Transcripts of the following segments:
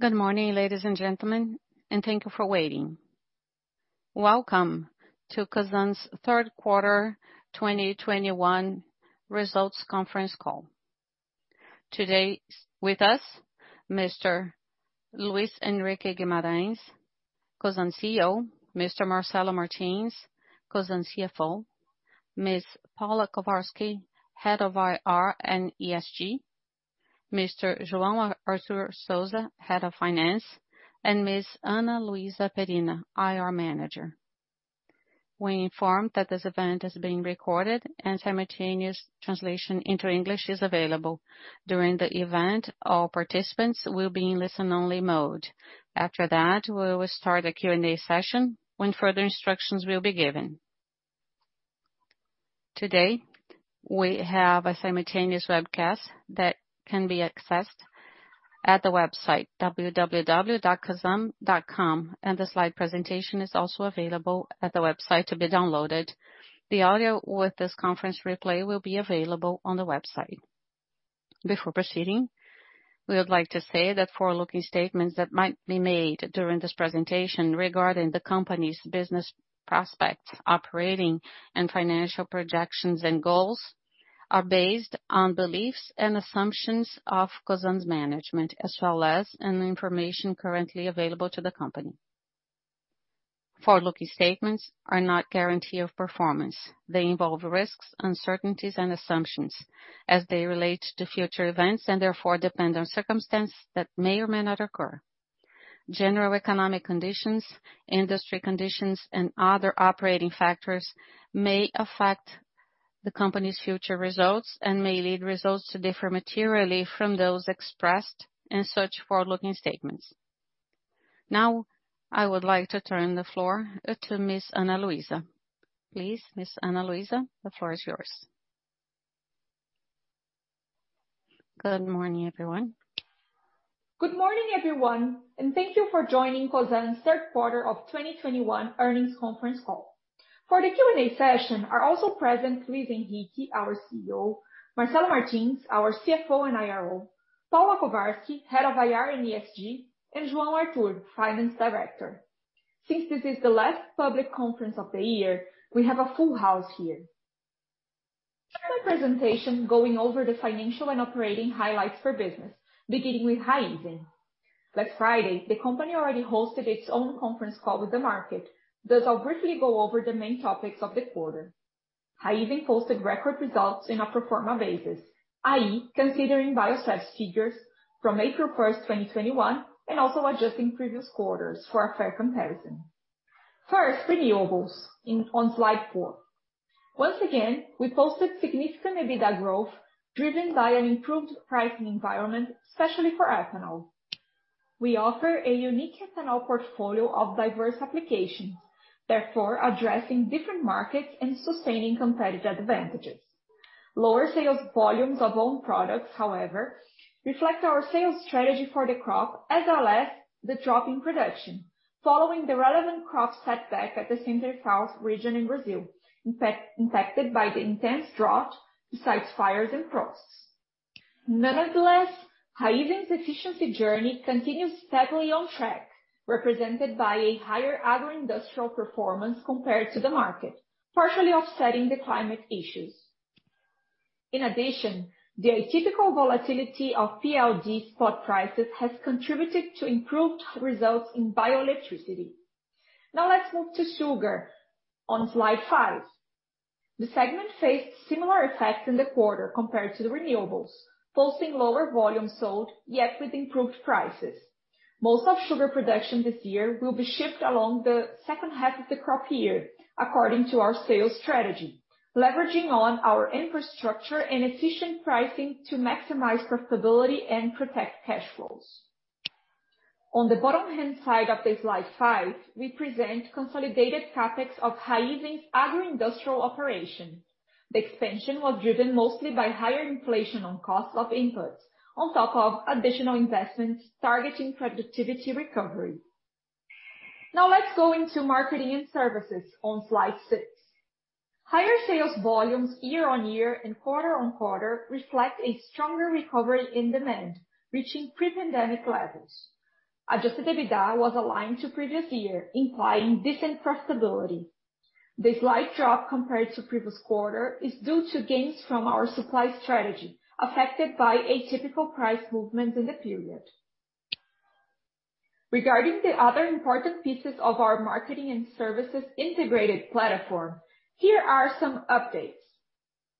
Good morning, ladies and gentlemen, and thank you for waiting. Welcome to Cosan's third quarter 2021 results conference call. Today, with us, Mr. Luis Henrique Guimarães, Cosan CEO, Mr. Marcelo Martins, Cosan CFO, Ms. Paula Kovarsky, Head of IR and ESG, Mr. João Arthur Souza, Head of Finance, and Ms. Ana Luísa Perina, IR Manager. We inform that this event is being recorded, and simultaneous translation into English is available. During the event, all participants will be in listen-only mode. After that, we will start a Q&A session when further instructions will be given. Today, we have a simultaneous webcast that can be accessed at the website www.cosan.com, and the slide presentation is also available at the website to be downloaded. The audio with this conference replay will be available on the website. Before proceeding, we would like to say that forward-looking statements that might be made during this presentation regarding the company's business prospects, operating and financial projections and goals are based on beliefs and assumptions of Cosan's management, as well as any information currently available to the company. Forward-looking statements are not guarantee of performance. They involve risks, uncertainties and assumptions as they relate to future events and therefore depend on circumstance that may or may not occur. General economic conditions, industry conditions, and other operating factors may affect the company's future results and may lead results to differ materially from those expressed in such forward-looking statements. Now, I would like to turn the floor to Ms. Ana Luísa. Please, Ms. Ana Luísa, the floor is yours. Good morning, everyone, and thank you for joining Cosan's third quarter of 2021 earnings conference call. For the Q&A session are also present Luis Henrique Guimarães, our CEO, Marcelo Martins, our CFO and IRO, Paula Kovarsky, Head of IR and ESG, and João Arthur Souza, Finance Director. Since this is the last public conference of the year, we have a full house here. I'll start my presentation going over the financial and operating highlights for business, beginning with Raízen. Last Friday, the company already hosted its own conference call with the market, thus I'll briefly go over the main topics of the quarter. Raízen posted record results on a pro forma basis, i.e., considering Biosev's figures from April 1st, 2021, and also adjusting previous quarters for a fair comparison. First, Renewables on slide 4. Once again, we posted significant EBITDA growth driven by an improved pricing environment, especially for ethanol. We offer a unique ethanol portfolio of diverse applications, therefore addressing different markets and sustaining competitive advantages. Lower sales volumes of own products, however, reflect our sales strategy for the crop, as well as the drop in production following the relevant crop setback at the Center-South region in Brazil, in fact impacted by the intense drought besides fires and frosts. Nonetheless, Raízen's efficiency journey continues steadily on track, represented by a higher agro-industrial performance compared to the market, partially offsetting the climate issues. In addition, the atypical volatility of PLD spot prices has contributed to improved results in bioelectricity. Now let's move to Sugar on slide five. The segment faced similar effects in the quarter compared to the Renewables, posting lower volume sold, yet with improved prices. Most of Sugar production this year will be shipped along the second half of the crop year, according to our sales strategy, leveraging on our infrastructure and efficient pricing to maximize profitability and protect cash flows. On the bottom right-hand side of slide five, we present consolidated CapEx of Raízen's agro-industrial operation. The expansion was driven mostly by higher inflation on costs of inputs, on top of additional investments targeting productivity recovery. Now let's go into Marketing and Services on slide six. Higher sales volumes year-on-year and quarter-on-quarter reflect a stronger recovery in demand, reaching pre-pandemic levels. Adjusted EBITDA was aligned to previous year, implying decent profitability. The slight drop compared to previous quarter is due to gains from our supply strategy, affected by atypical price movements in the period. Regarding the other important pieces of our Marketing and Services integrated platform, here are some updates.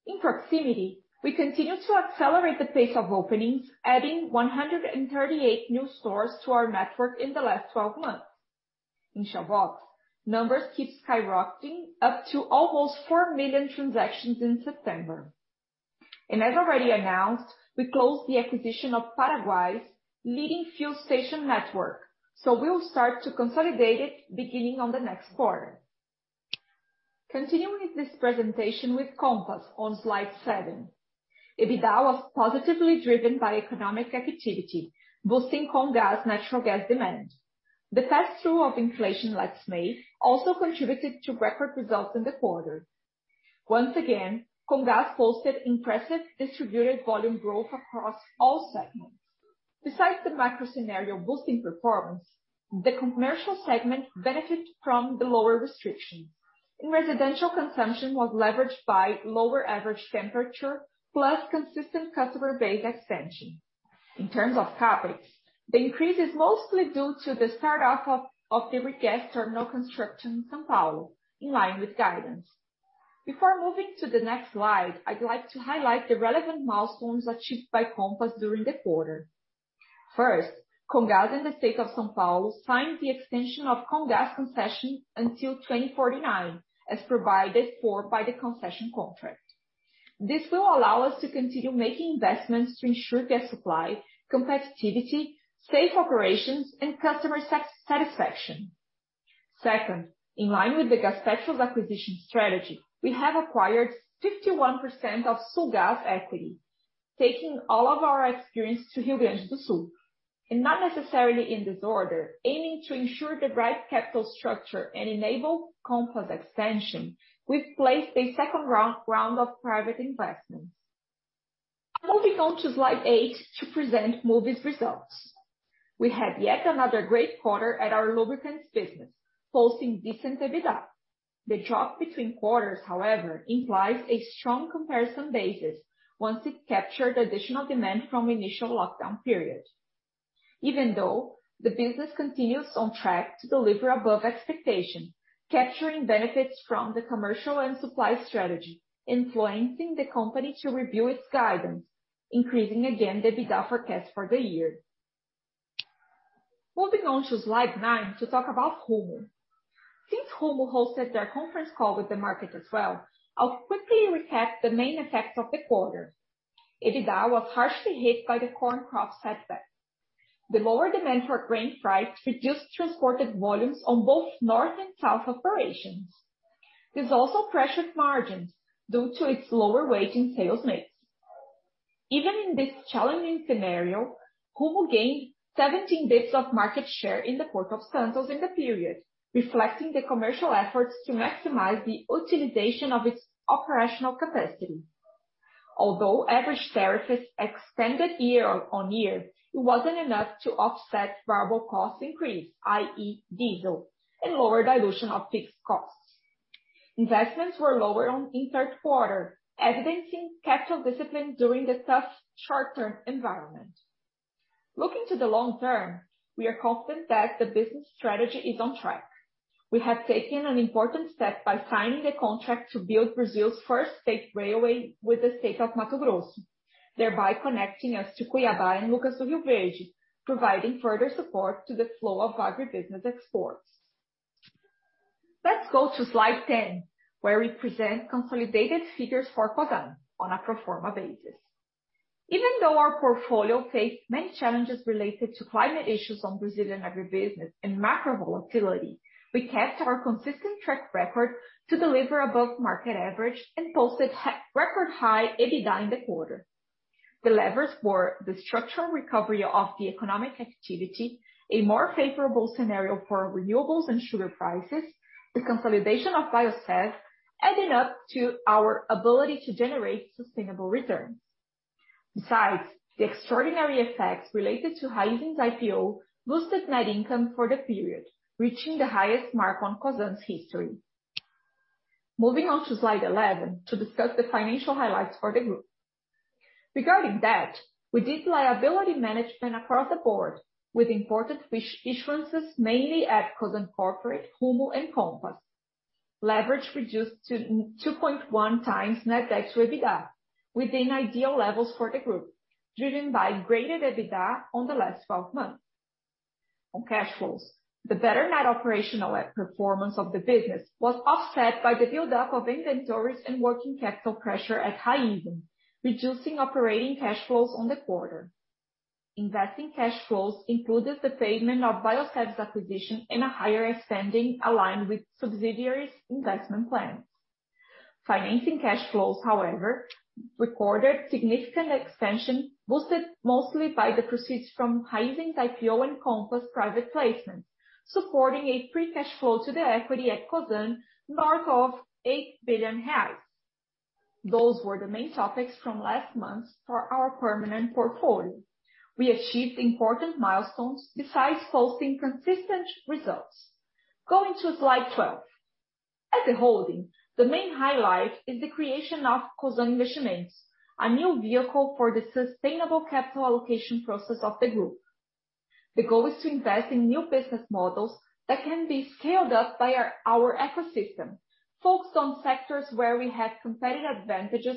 In Proximidade, we continue to accelerate the pace of openings, adding 138 new stores to our network in the last 12 months. In Shell Box, numbers keep skyrocketing, up to almost 4 million transactions in September. As already announced, we closed the acquisition of Paraguay's leading fuel station network, so we will start to consolidate it beginning on the next quarter. Continuing this presentation with Comgás on slide seven. EBITDA was positively driven by economic activity, boosting Comgás natural gas demand. The pass-through of inflation last May also contributed to record results in the quarter. Once again, Comgás posted impressive distributed volume growth across all segments. Besides the macro scenario boosting performance, the commercial segment benefit from the lower restriction. Residential consumption was leveraged by lower average temperature, plus consistent customer base expansion. In terms of CapEx, the increase is mostly due to the start of the regas terminal construction in São Paulo, in line with guidance. Before moving to the next slide, I'd like to highlight the relevant milestones achieved by Comgás during the quarter. First, Comgás and the state of São Paulo signed the extension of Comgás concession until 2049, as provided for by the concession contract. This will allow us to continue making investments to ensure gas supply, competitiveness, safe operations and customer satisfaction. Second, in line with the Gaspetro acquisition strategy, we have acquired 51% of Sulgás equity, taking all of our experience to Rio Grande do Sul. Not necessarily in this order, aiming to ensure the right capital structure and enable Comgás expansion, we've placed a second round of private placements. Moving on to slide eight to present Moove's results. We had yet another great quarter at our lubricants business, posting decent EBITDA. The drop between quarters, however, implies a strong comparison basis once it captured additional demand from initial lockdown period. Even though the business continues on track to deliver above expectation, capturing benefits from the commercial and supply strategy, influencing the company to review its guidance, increasing again the EBITDA forecast for the year. Moving on to slide nine to talk about Rumo. Since Rumo hosted their conference call with the market as well, I'll quickly recap the main effects of the quarter. EBITDA was harshly hit by the corn crop setback. The lower demand for grain price reduced transported volumes on both north and south operations. This also pressured margins due to its lower weight in sales mix. Even in this challenging scenario, Rumo gained 17 basis points of market share in the Port of Santos in the period, reflecting the commercial efforts to maximize the utilization of its operational capacity. Although average tariffs extended year-over-year, it wasn't enough to offset variable cost increase, i.e. diesel and lower dilution of fixed costs. Investments were lower in third quarter, evidencing capital discipline during the tough short-term environment. Looking to the long term, we are confident that the business strategy is on track. We have taken an important step by signing a contract to build Brazil's first state railway with the state of Mato Grosso, thereby connecting us to Cuiabá and Lucas do Rio Verde, providing further support to the flow of agribusiness exports. Let's go to slide 10, where we present consolidated figures for Cosan on a pro forma basis. Even though our portfolio faced many challenges related to climate issues on Brazilian agribusiness and macro volatility, we kept our consistent track record to deliver above market average and posted record high EBITDA in the quarter. The levers for the structural recovery of the economic activity, a more favorable scenario for Renewables and Sugar prices, the consolidation of Biosev adding up to our ability to generate sustainable returns. Besides, the extraordinary effects related to Raízen's IPO boosted net income for the period, reaching the highest mark on Cosan's history. Moving on to slide 11 to discuss the financial highlights for the group. Regarding debt, we did liability management across the board with important issuances, mainly at Cosan Corporate, Rumo and Comgás. Leverage reduced to 2.1x net debt to EBITDA, within ideal levels for the group, driven by greater EBITDA over the last 12 months. On cash flows, the better net operational performance of the business was offset by the buildup of inventories and working capital pressure at Raízen, reducing operating cash flows in the quarter. Investing cash flows included the payment of Biosev's acquisition and higher spending aligned with subsidiaries' investment plans. Financing cash flows, however, recorded significant extension, boosted mostly by the proceeds from Raízen's IPO and Comgás private placements, supporting a free cash flow to equity at Cosan of 8 billion reais. Those were the main topics from last month for our permanent portfolio. We achieved important milestones besides posting consistent results. Going to slide 12. At the holding, the main highlight is the creation of Cosan Investimentos, a new vehicle for the sustainable capital allocation process of the group. The goal is to invest in new business models that can be scaled up by our ecosystem, focused on sectors where we have competitive advantages,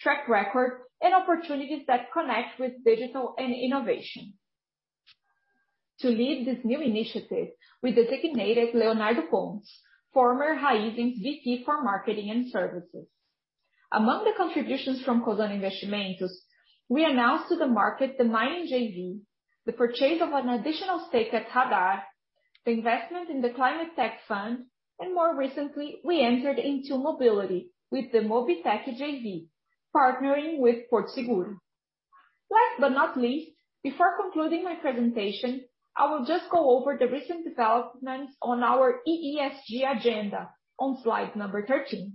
track record, and opportunities that connect with digital and innovation. To lead this new initiative, we designated Leonardo Pontes, former Raízen's VP for Marketing and Services. Among the contributions from Cosan Investimentos, we announced to the market the mining JV, the purchase of an additional stake at Radar, the investment in the Climate Tech Fund, and more recently, we entered into mobility with the Mobitech JV, partnering with Porto Seguro. Last but not least, before concluding my presentation, I will just go over the recent developments on our ESG agenda on slide 13.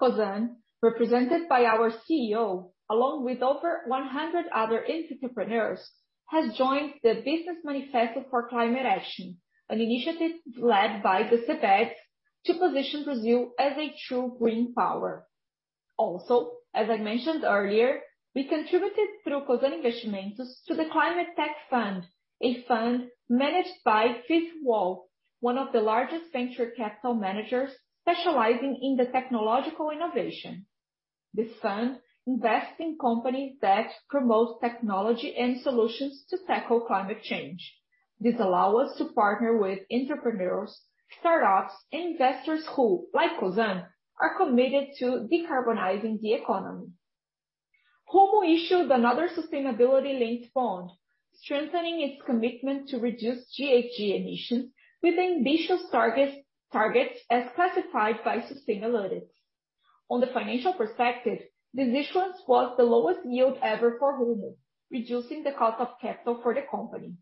Cosan, represented by our CEO, along with over 100 other entrepreneurs, has joined the Business Manifesto for Climate Recovery, an initiative led by the CEBDS to position Brazil as a true green power. Also, as I mentioned earlier, we contributed through Cosan Investimentos to the Climate Tech Fund, a fund managed by Fifth Wall, one of the largest venture capital managers specializing in the technological innovation. This fund invests in companies that promote technology and solutions to tackle climate change. This allows us to partner with entrepreneurs, startups, investors who, like Cosan, are committed to decarbonizing the economy. Raízen issued another sustainability linked bond, strengthening its commitment to reduce GHG emissions with ambitious targets as classified by Sustainalytics. On the financial perspective, this issuance was the lowest yield ever for Raízen, reducing the cost of capital for the company.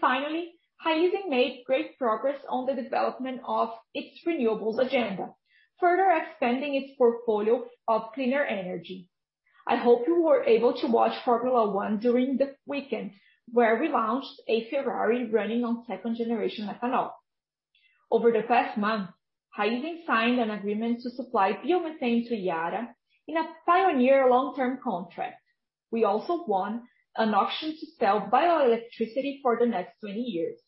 Finally, Raízen made great progress on the development of its Renewables agenda, further expanding its portfolio of cleaner energy. I hope you were able to watch Formula One during the weekend where we launched a Ferrari running on second generation ethanol. Over the past month, Raízen signed an agreement to supply biomethane to Yara in a pioneer long-term contract. We also won an auction to sell bioelectricity for the next 20 years.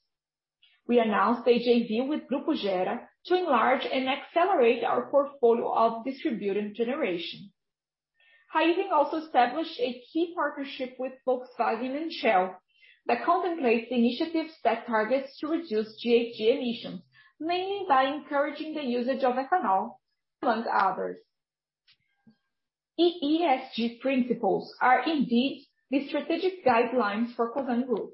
We announced a JV with Grupo Gera to enlarge and accelerate our portfolio of distributed generation. Raízen also established a key partnership with Volkswagen and Shell that contemplates initiatives that targets to reduce GHG emissions, mainly by encouraging the usage of ethanol, among others. ESG principles are indeed the strategic guidelines for Cosan Group.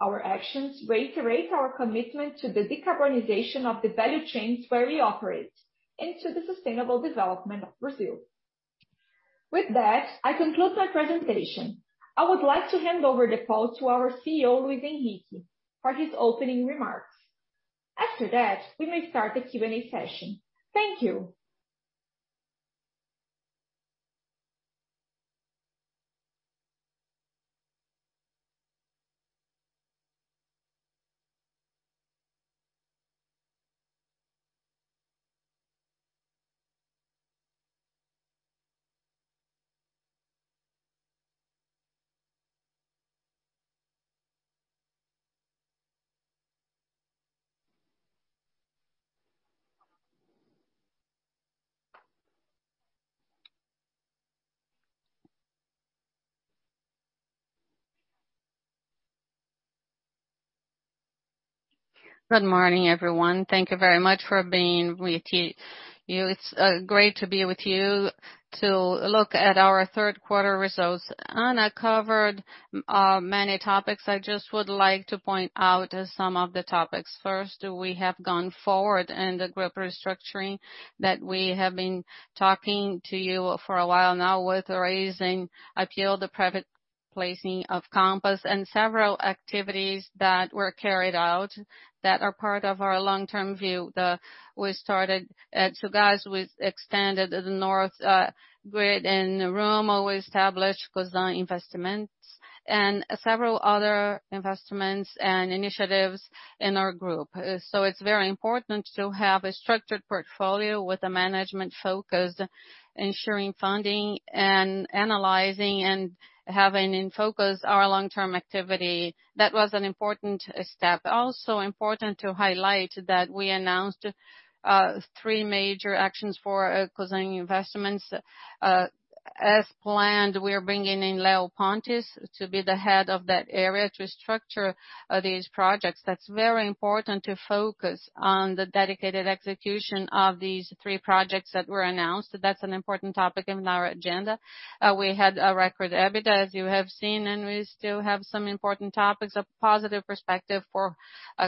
Our actions reiterate our commitment to the decarbonization of the value chains where we operate into the sustainable development of Brazil. With that, I conclude my presentation. I would like to hand over the call to our CEO, Luis Henrique, for his opening remarks. After that, we may start the Q&A session. Thank you. Good morning, everyone. Thank you very much for being with you. It's great to be with you to look at our third quarter results. Ana covered many topics. I just would like to point out some of the topics. First, we have gone forward in the group restructuring that we have been talking to you for a while now with Raízen, the private placement of Compass and several activities that were carried out that are part of our long-term view. We started Sulgás, we extended the north grid in Rumo, we established Cosan Investimentos and several other investments and initiatives in our group. It's very important to have a structured portfolio with a management focus, ensuring funding and analyzing and having in focus our long-term activity. That was an important step. Also important to highlight that we announced three major actions for Cosan Investimentos. As planned, we are bringing in Leo Pontes to be the head of that area to structure these projects. That's very important to focus on the dedicated execution of these three projects that were announced. That's an important topic in our agenda. We had a record EBITDA, as you have seen, and we still have some important topics, a positive perspective for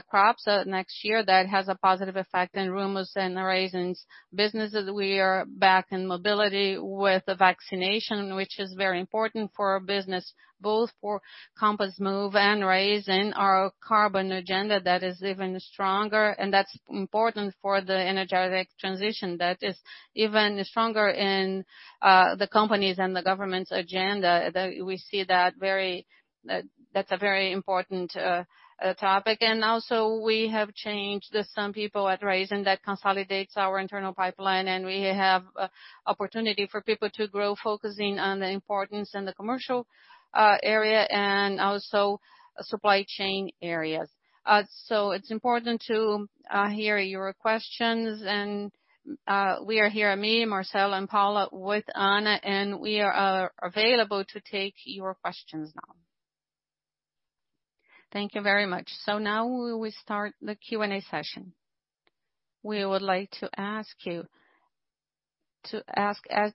crops next year that has a positive effect in Rumo's and Raízen's businesses. We are back in mobility with the vaccination, which is very important for our business, both for Compass, Moove and Raízen, our carbon agenda that is even stronger. That's important for the energy transition that is even stronger in the company's and the government's agenda. We see that that's a very important topic. We have changed some people at Raízen that consolidates our internal pipeline, and we have opportunity for people to grow, focusing on the importance in the commercial area and also supply chain areas. It's important to hear your questions. We are here, me, Marcelo and Paulo with Ana, and we are available to take your questions now. Thank you very much. Now we will start the Q&A session. We would like to ask you to ask at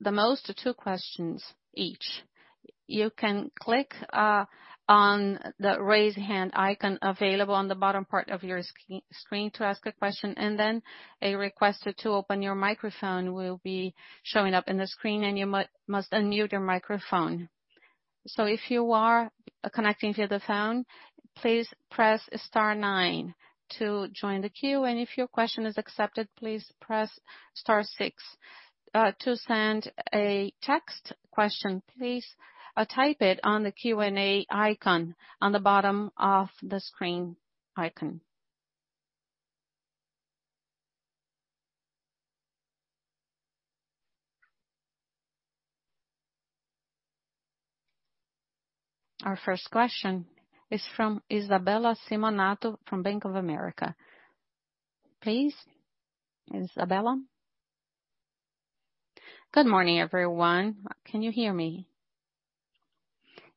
most two questions each. You can click on the raise hand icon available on the bottom part of your screen to ask a question, and then a request to open your microphone will be showing up in the screen and you must unmute your microphone. If you are connecting via the phone, please press star nine to join the queue, and if your question is accepted, please press star six. To send a text question, please type it on the Q&A icon on the bottom of the screen icon. Our first question is from Isabella Simonato from Bank of America. Please, Isabella. Good morning, everyone. Can you hear me?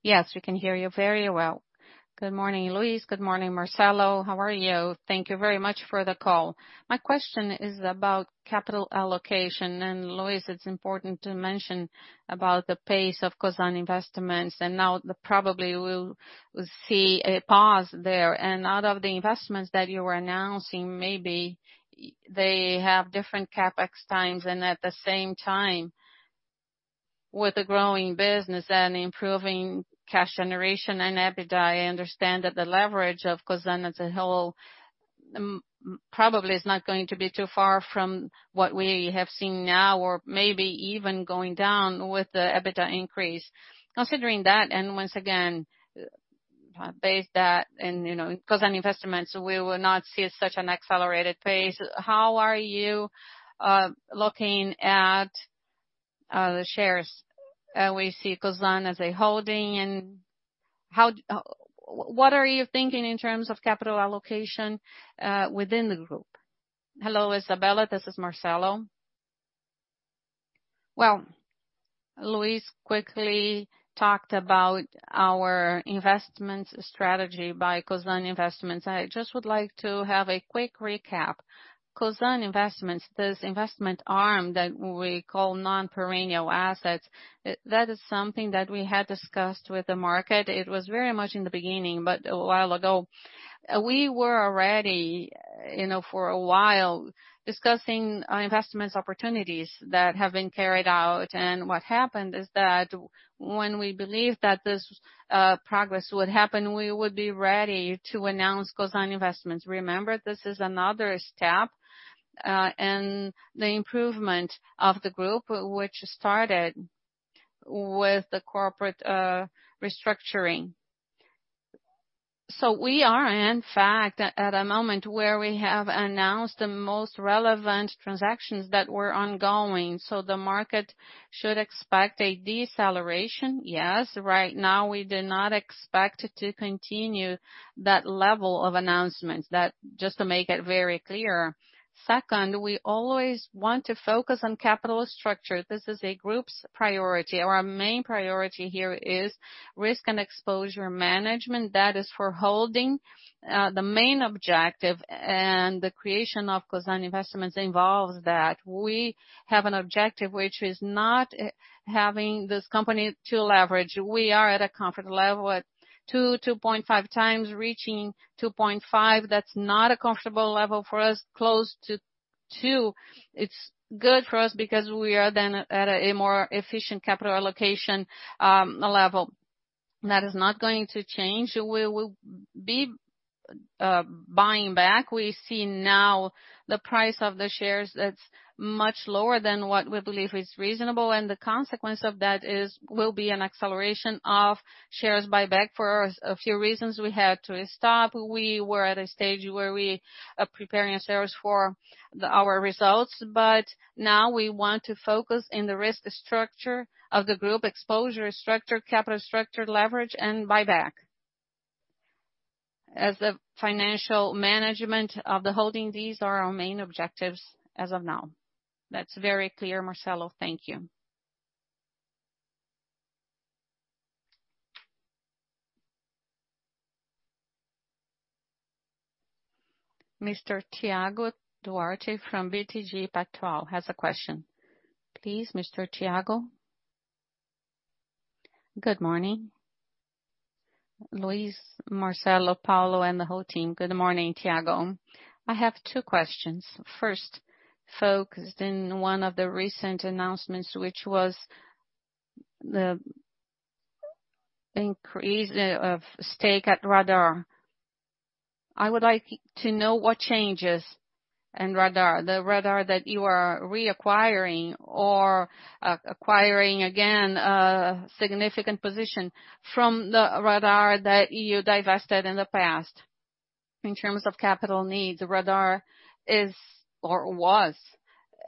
Yes, we can hear you very well. Good morning, Luis. Good morning, Marcelo. How are you? Thank you very much for the call. My question is about capital allocation. Luis, it's important to mention about the pace of Cosan investments, and now probably we'll see a pause there. Out of the investments that you are announcing, maybe they have different CapEx times. At the same time, with the growing business and improving cash generation and EBITDA, I understand that the leverage of Cosan as a whole, probably is not going to be too far from what we have seen now or maybe even going down with the EBITDA increase. Considering that, and once again, based on, you know, Cosan Investimentos, we will not see such an accelerated pace. How are you looking at the shares? We see Cosan as a holding and what are you thinking in terms of capital allocation within the group? Hello, Isabella, this is Marcelo. Well, Luis quickly talked about our investment strategy via Cosan Investimentos. I just would like to have a quick recap. Cosan Investimentos, this investment arm that we call non-perennial assets, that is something that we had discussed with the market. It was very much in the beginning, but a while ago. We were already, you know, for a while discussing investment opportunities that have been carried out. What happened is that when we believe that this progress would happen, we would be ready to announce Cosan Investimentos. Remember, this is another step in the improvement of the group, which started with the corporate restructuring. We are, in fact, at a moment where we have announced the most relevant transactions that were ongoing. The market should expect a deceleration. Yes, right now, we do not expect to continue that level of announcements. That just to make it very clear. Second, we always want to focus on capital structure. This is a group's priority. Our main priority here is risk and exposure management. That is for holding the main objective. The creation of Cosan Investments involves that. We have an objective which is not having this company to leverage. We are at a comfort level at 2x-2.5x. Reaching 2.5x, that's not a comfortable level for us. Close to 2x, it's good for us because we are then at a more efficient capital allocation level. That is not going to change. We will be buying back. We see now the price of the shares that's much lower than what we believe is reasonable, and the consequence of that is, will be an acceleration of shares buyback. For a few reasons, we had to stop. We were at a stage where we are preparing ourselves for our results. Now we want to focus in the risk structure of the group, exposure structure, capital structure, leverage, and buyback. As the financial management of the holding, these are our main objectives as of now. That's very clear, Marcelo. Thank you. Mr. Thiago Duarte from BTG Pactual has a question. Please, Mr. Thiago. Good morning. Luis, Marcelo, Paula, and the whole team. Good morning, Thiago. I have two questions. First, focused in one of the recent announcements, which was the increase of stake at Radar. I would like to know what changes in Radar, the Radar that you are reacquiring or acquiring again a significant position from the Radar that you divested in the past. In terms of capital needs, Radar is or was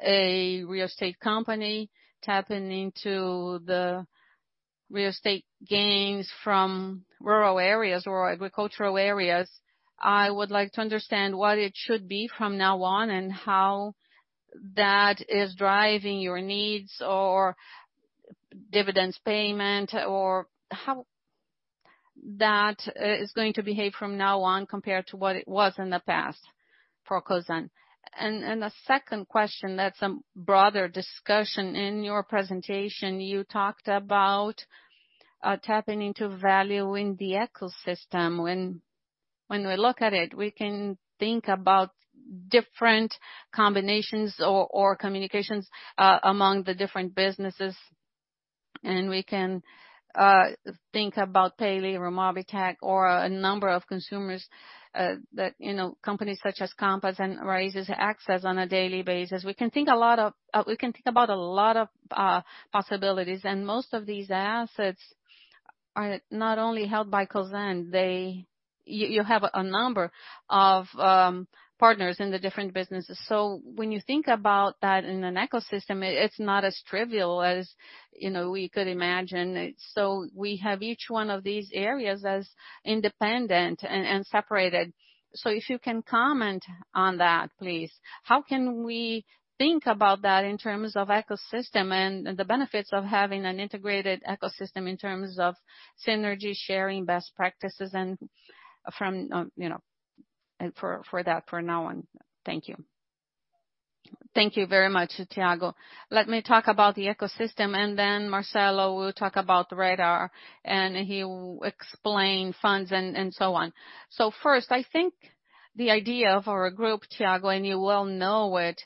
a real estate company tapping into the real estate gains from rural areas or agricultural areas. I would like to understand what it should be from now on and how that is driving your needs or dividends payment. That is going to behave from now on compared to what it was in the past for Cosan. The second question, that's a broader discussion. In your presentation, you talked about tapping into value in the ecosystem. When we look at it, we can think about different combinations or communications among the different businesses, and we can think about Payly or Mobitech or a number of consumers that, you know, companies such as Compass and Raízen access on a daily basis. We can think about a lot of possibilities, and most of these assets are not only held by Cosan. They You have a number of partners in the different businesses. When you think about that in an ecosystem, it's not as trivial as, you know, we could imagine. We have each one of these areas as independent and separated. If you can comment on that, please. How can we think about that in terms of ecosystem and the benefits of having an integrated ecosystem in terms of synergy, sharing best practices and from, you know, and for that for now on. Thank you. Thank you very much, Thiago. Let me talk about the ecosystem and then Marcelo will talk about the Radar and he will explain funds and so on. First, I think the idea of our group, Thiago, and you well know it,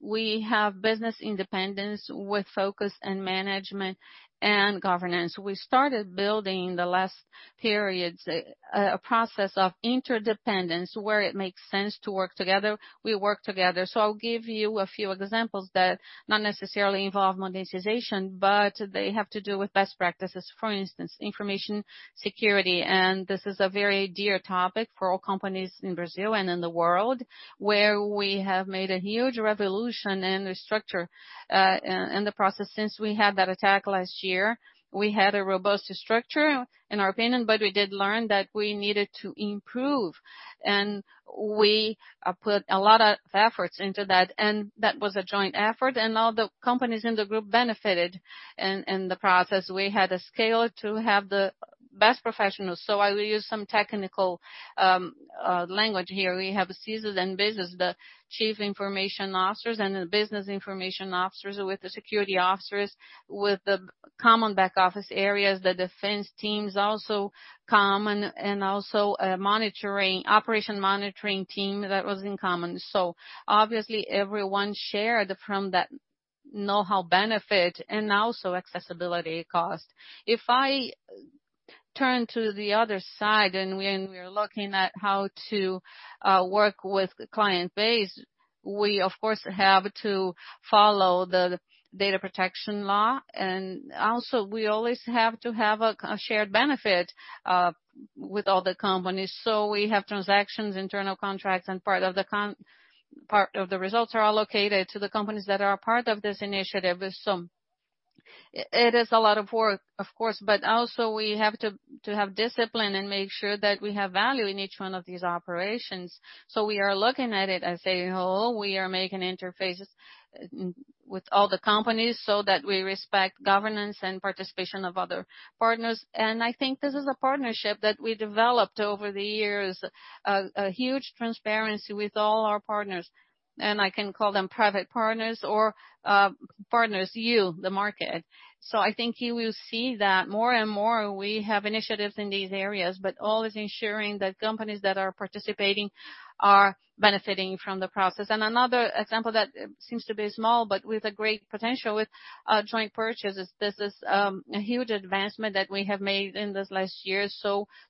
we have business independence with focus and management and governance. We started building in the last periods a process of interdependence where it makes sense to work together. We work together. I'll give you a few examples that not necessarily involve monetization, but they have to do with best practices. For instance, information security, and this is a very dear topic for all companies in Brazil and in the world, where we have made a huge revolution in the structure in the process. Since we had that attack last year, we had a robust structure, in our opinion, but we did learn that we needed to improve. We put a lot of efforts into that, and that was a joint effort and all the companies in the group benefited in the process. We had a scale to have the best professionals. I will use some technical language here. We have CSOs and business, the Chief Information Officers and the Business Information Officers with the Security Officers with the common back office areas. The defense teams also come and also a monitoring operation monitoring team that was in common. Obviously everyone shared from that know-how benefit and also accessibility cost. If I turn to the other side and when we're looking at how to work with client base, we of course have to follow the data protection law. We always have to have a shared benefit with all the companies. We have transactions, internal contracts, and part of the results are allocated to the companies that are a part of this initiative. It is a lot of work, of course, but also we have to have discipline and make sure that we have value in each one of these operations. We are looking at it as a whole. We are making interfaces with all the companies so that we respect governance and participation of other partners. I think this is a partnership that we developed over the years, a huge transparency with all our partners, and I can call them private partners or partners, you, the market. I think you will see that more and more we have initiatives in these areas, but always ensuring that companies that are participating are benefiting from the process. Another example that seems to be small, but with a great potential with joint purchases. This is a huge advancement that we have made in this last year.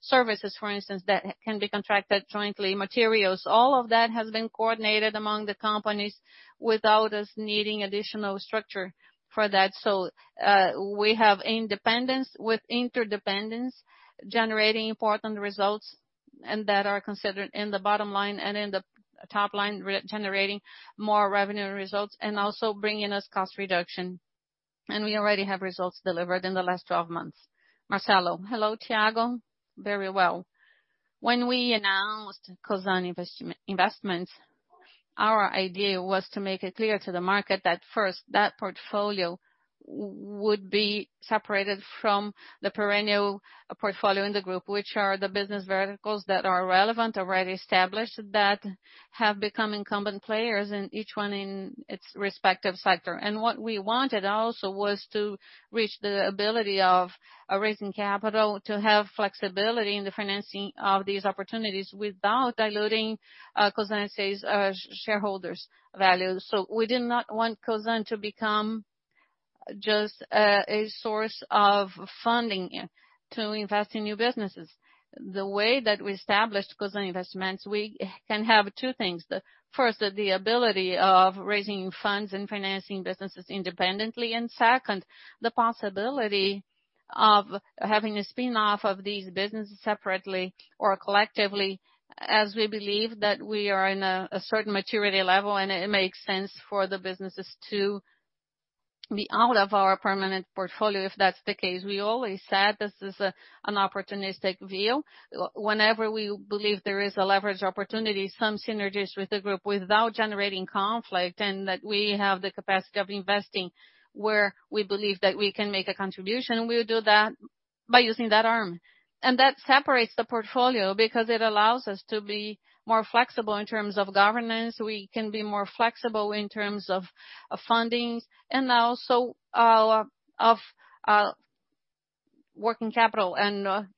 Services, for instance, that can be contracted jointly, materials, all of that has been coordinated among the companies without us needing additional structure for that. We have independence with interdependence, generating important results and that are considered in the bottom line and in the top line, generating more revenue results and also bringing us cost reduction. We already have results delivered in the last 12 months. Marcelo. Hello, Thiago. Very well. When we announced Cosan Investimentos, our idea was to make it clear to the market that first, that portfolio would be separated from the perennial portfolio in the group, which are the business verticals that are relevant, already established, that have become incumbent players in each one in its respective sector. What we wanted also was to reach the ability of raising capital, to have flexibility in the financing of these opportunities without diluting Cosan S.A.'s shareholders' value. We did not want Cosan to become just a source of funding to invest in new businesses. The way that we established Cosan Investimentos, we can have two things. First, the ability of raising funds and financing businesses independently, and second, the possibility of having a spin-off of these businesses separately or collectively, as we believe that we are in a certain maturity level, and it makes sense for the businesses to be out of our permanent portfolio, if that's the case. We always said this is an opportunistic view. Whenever we believe there is a leverage opportunity, some synergies with the group without generating conflict and that we have the capacity of investing where we believe that we can make a contribution, we will do that. By using that arm. That separates the portfolio because it allows us to be more flexible in terms of governance. We can be more flexible in terms of funding and also of working capital.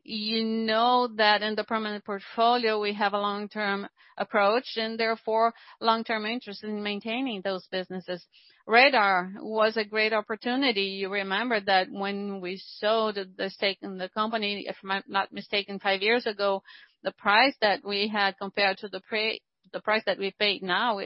You know that in the permanent portfolio we have a long-term approach and therefore long-term interest in maintaining those businesses. Radar was a great opportunity. You remember that when we sold the stake in the company, if I'm not mistaken, five years ago, the price that we had compared to the price that we paid now,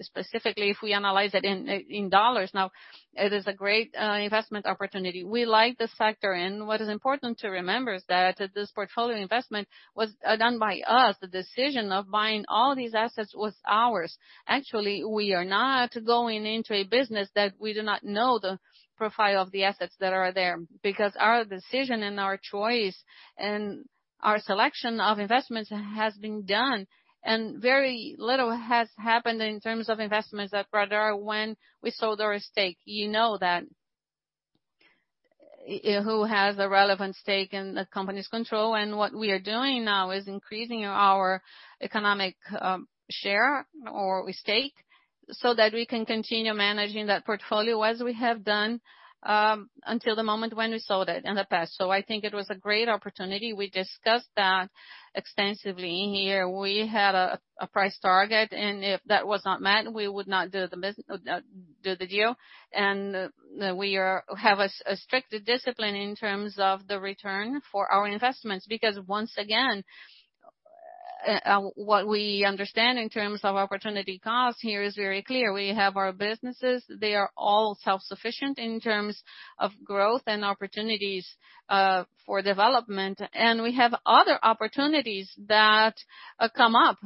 specifically if we analyze it in dollars now, it is a great investment opportunity. We like the sector. What is important to remember is that this portfolio investment was done by us. The decision of buying all these assets was ours. Actually, we are not going into a business that we do not know the profile of the assets that are there, because our decision and our choice and our selection of investments has been done and very little has happened in terms of investments at Radar when we sold our stake. You know that. Who has a relevant stake in the company's control. What we are doing now is increasing our economic share or stake so that we can continue managing that portfolio as we have done until the moment when we sold it in the past. I think it was a great opportunity. We discussed that extensively in here. We had a price target and if that was not met, we would not do the deal. We have such a strict discipline in terms of the return for our investments. Because once again, what we understand in terms of opportunity cost here is very clear. We have our businesses. They are all self-sufficient in terms of growth and opportunities for development. We have other opportunities that come up.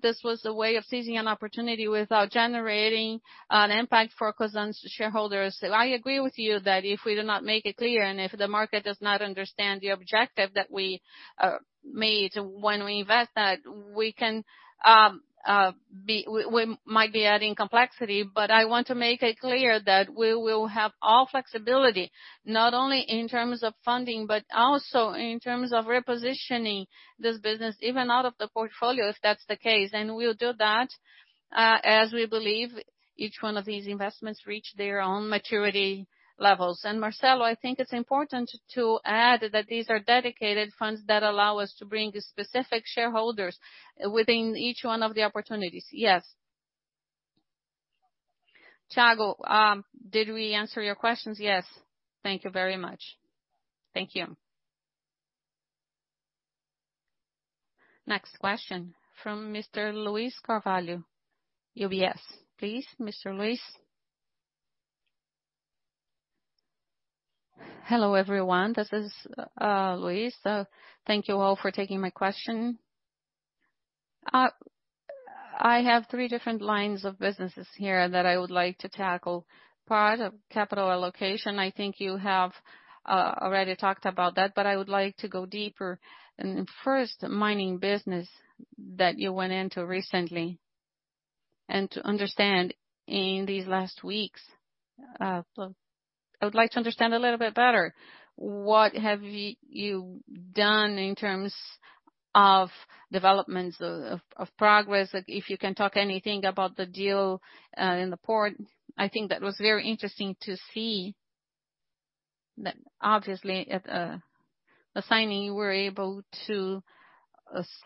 This was a way of seizing an opportunity without generating an impact for Cosan's shareholders. I agree with you that if we do not make it clear, and if the market does not understand the objective that we made when we invest, that we can, we might be adding complexity. I want to make it clear that we will have all flexibility, not only in terms of funding, but also in terms of repositioning this business even out of the portfolio, if that's the case. We'll do that as we believe each one of these investments reach their own maturity levels. Marcelo, I think it's important to add that these are dedicated funds that allow us to bring specific shareholders within each one of the opportunities. Yes. Thiago, did we answer your questions? Yes. Thank you very much. Thank you. Next question from Mr. Luiz Carvalho, UBS, please. Mr. Luiz. Hello, everyone. This is Luiz. Thank you all for taking my question. I have three different lines of businesses here that I would like to tackle. Part of capital allocation, I think you have already talked about that, but I would like to go deeper. First, mining business that you went into recently, and to understand in these last weeks, I would like to understand a little bit better, what have you done in terms of developments of progress? If you can talk anything about the deal in the port. I think that was very interesting to see that obviously at the signing you were able to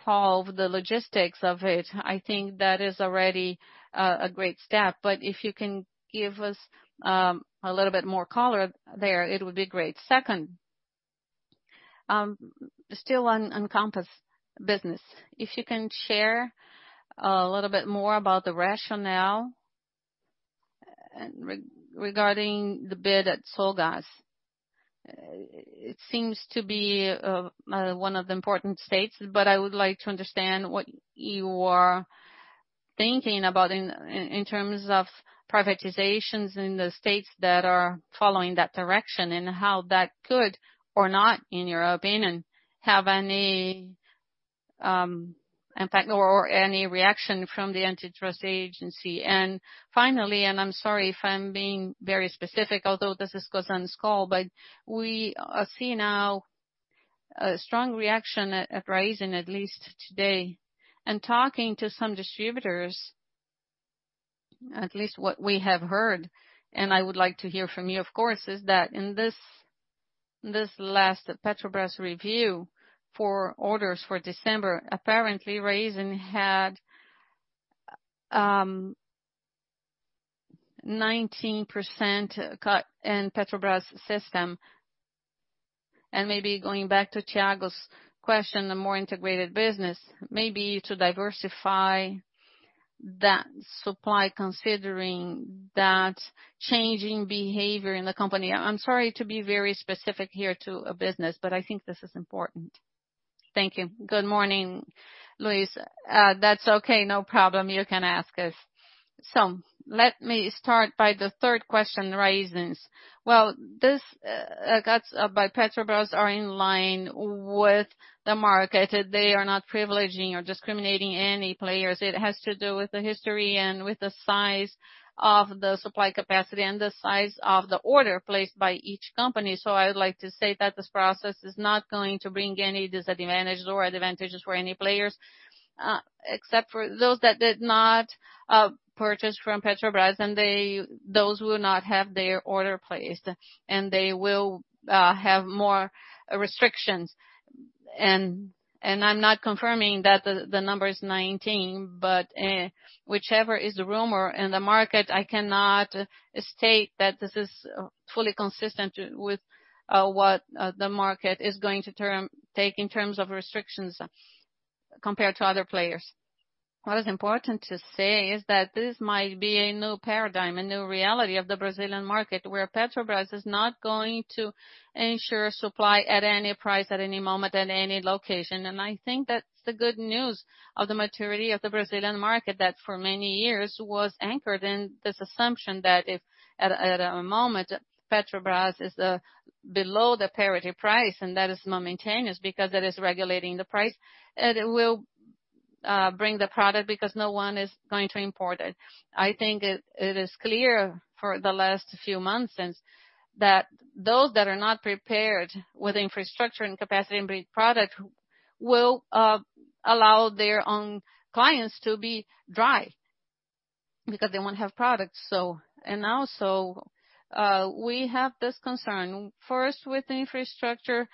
solve the logistics of it. I think that is already a great step. If you can give us a little bit more color there, it would be great. Second, still on Compass business. If you can share a little bit more about the rationale regarding the bid at Sulgás. It seems to be one of the important states, but I would like to understand what you are thinking about in terms of privatizations in the states that are following that direction and how that could or not, in your opinion, have any impact or any reaction from the antitrust agency. Finally, and I'm sorry if I'm being very specific, although this is Cosan's call, but we see now a strong reaction at Raízen at least today. Talking to some distributors, at least what we have heard, and I would like to hear from you, of course, is that in this last Petrobras review for orders for December, apparently Raízen had 19% cut in Petrobras system. Maybe going back to Thiago's question, a more integrated business, maybe to diversify that supply considering that changing behavior in the company. I'm sorry to be very specific here to a business, but I think this is important. Thank you. Good morning, Luiz. That's okay. No problem. You can ask us. Let me start by the third question, Raízen's. This cuts by Petrobras are in line with the market. They are not privileging or discriminating any players. It has to do with the history and with the size of the supply capacity and the size of the order placed by each company. I would like to say that this process is not going to bring any disadvantages or advantages for any players. Except for those that did not purchase from Petrobras and those will not have their order placed, and they will have more restrictions. I'm not confirming that the number is 19, but whichever is the rumor in the market, I cannot state that this is fully consistent with what the market is going to take in terms of restrictions compared to other players. What is important to say is that this might be a new paradigm, a new reality of the Brazilian market, where Petrobras is not going to ensure supply at any price, at any moment, at any location. I think that's the good news of the maturity of the Brazilian market that for many years was anchored in this assumption that if at a moment Petrobras is below the parity price and that is momentary because it is regulating the price, it will bring the product because no one is going to import it. I think it is clear for the last few months since that those that are not prepared with infrastructure and capacity and product will allow their own clients to be dry because they won't have products. We have this concern first with infrastructure.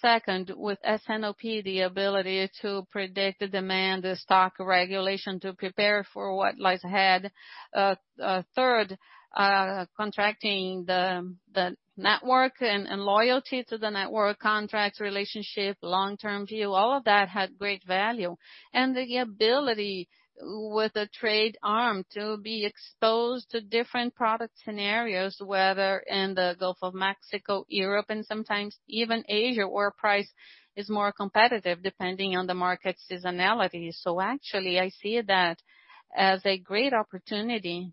Second, with S&OP, the ability to predict the demand, the stock regulation to prepare for what lies ahead. Third, contracting the network and loyalty to the network, contract relationship, long-term view, all of that had great value. The ability with the trade arm to be exposed to different product scenarios, whether in the Gulf of Mexico, Europe, and sometimes even Asia, where price is more competitive depending on the market seasonality. Actually I see that as a great opportunity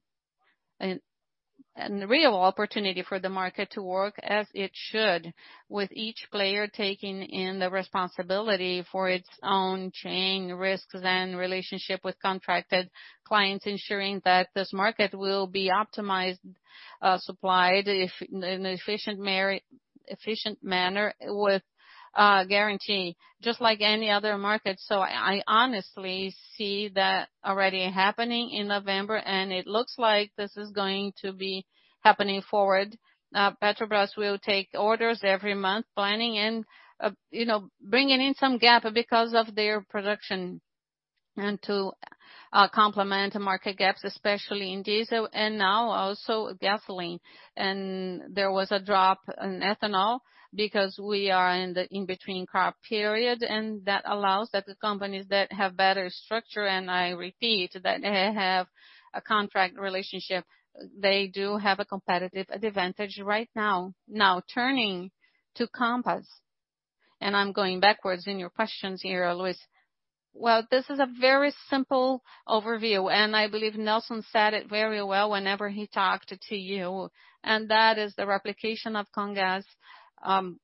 and real opportunity for the market to work as it should, with each player taking on the responsibility for its own chain risks and relationship with contracted clients, ensuring that this market will be optimized, supplied in an efficient manner with guarantee, just like any other market. I honestly see that already happening in November, and it looks like this is going to be happening forward. Petrobras will take orders every month planning and you know bringing in to fill some gap because of their production and to complement market gaps, especially in diesel and now also gasoline. There was a drop in ethanol because we are in the in between crop period, and that allows that the companies that have better structure, and I repeat, that have a contract relationship, they do have a competitive advantage right now. Now turning to Compass, and I'm going backwards in your questions here, Luiz. Well, this is a very simple overview, and I believe Nelson said it very well whenever he talked to you. That is the replication of Comgás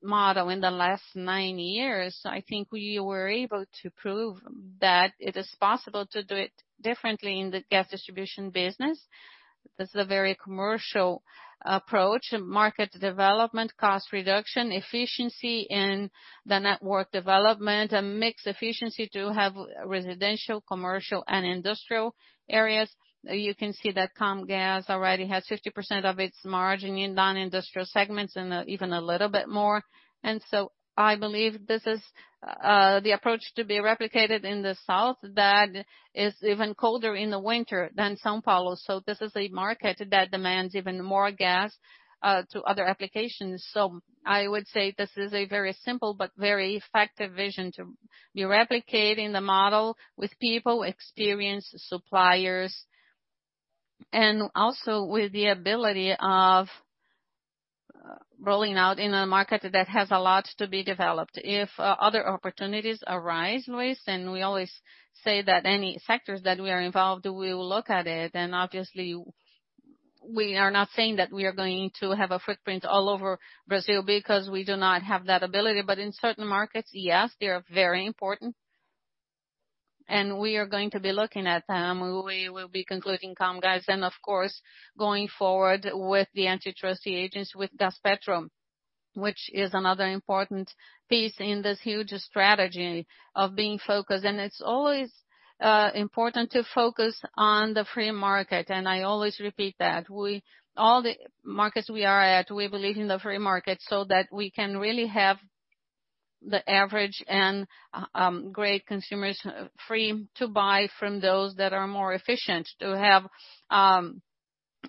model in the last nine years. I think we were able to prove that it is possible to do it differently in the gas distribution business. This is a very commercial approach. Market development, cost reduction, efficiency in the network development, a mixed efficiency to have residential, commercial and industrial areas. You can see that Comgás already has 50% of its margin in non-industrial segments and even a little bit more. I believe this is the approach to be replicated in the south that is even colder in the winter than São Paulo. This is a market that demands even more gas to other applications. I would say this is a very simple but very effective vision to be replicating the model with people, experience, suppliers and also with the ability of rolling out in a market that has a lot to be developed. If other opportunities arise, Luis, and we always say that any sectors that we are involved, we will look at it. Obviously we are not saying that we are going to have a footprint all over Brazil because we do not have that ability. In certain markets, yes, they are very important and we are going to be looking at them. We will be concluding Comgás and of course going forward with the antitrust agencies with Gaspetro, which is another important piece in this huge strategy of being focused. It's always important to focus on the free market, and I always repeat that. We, all the markets we are at, we believe in the free market so that we can really have the average and great consumers free to buy from those that are more efficient, to have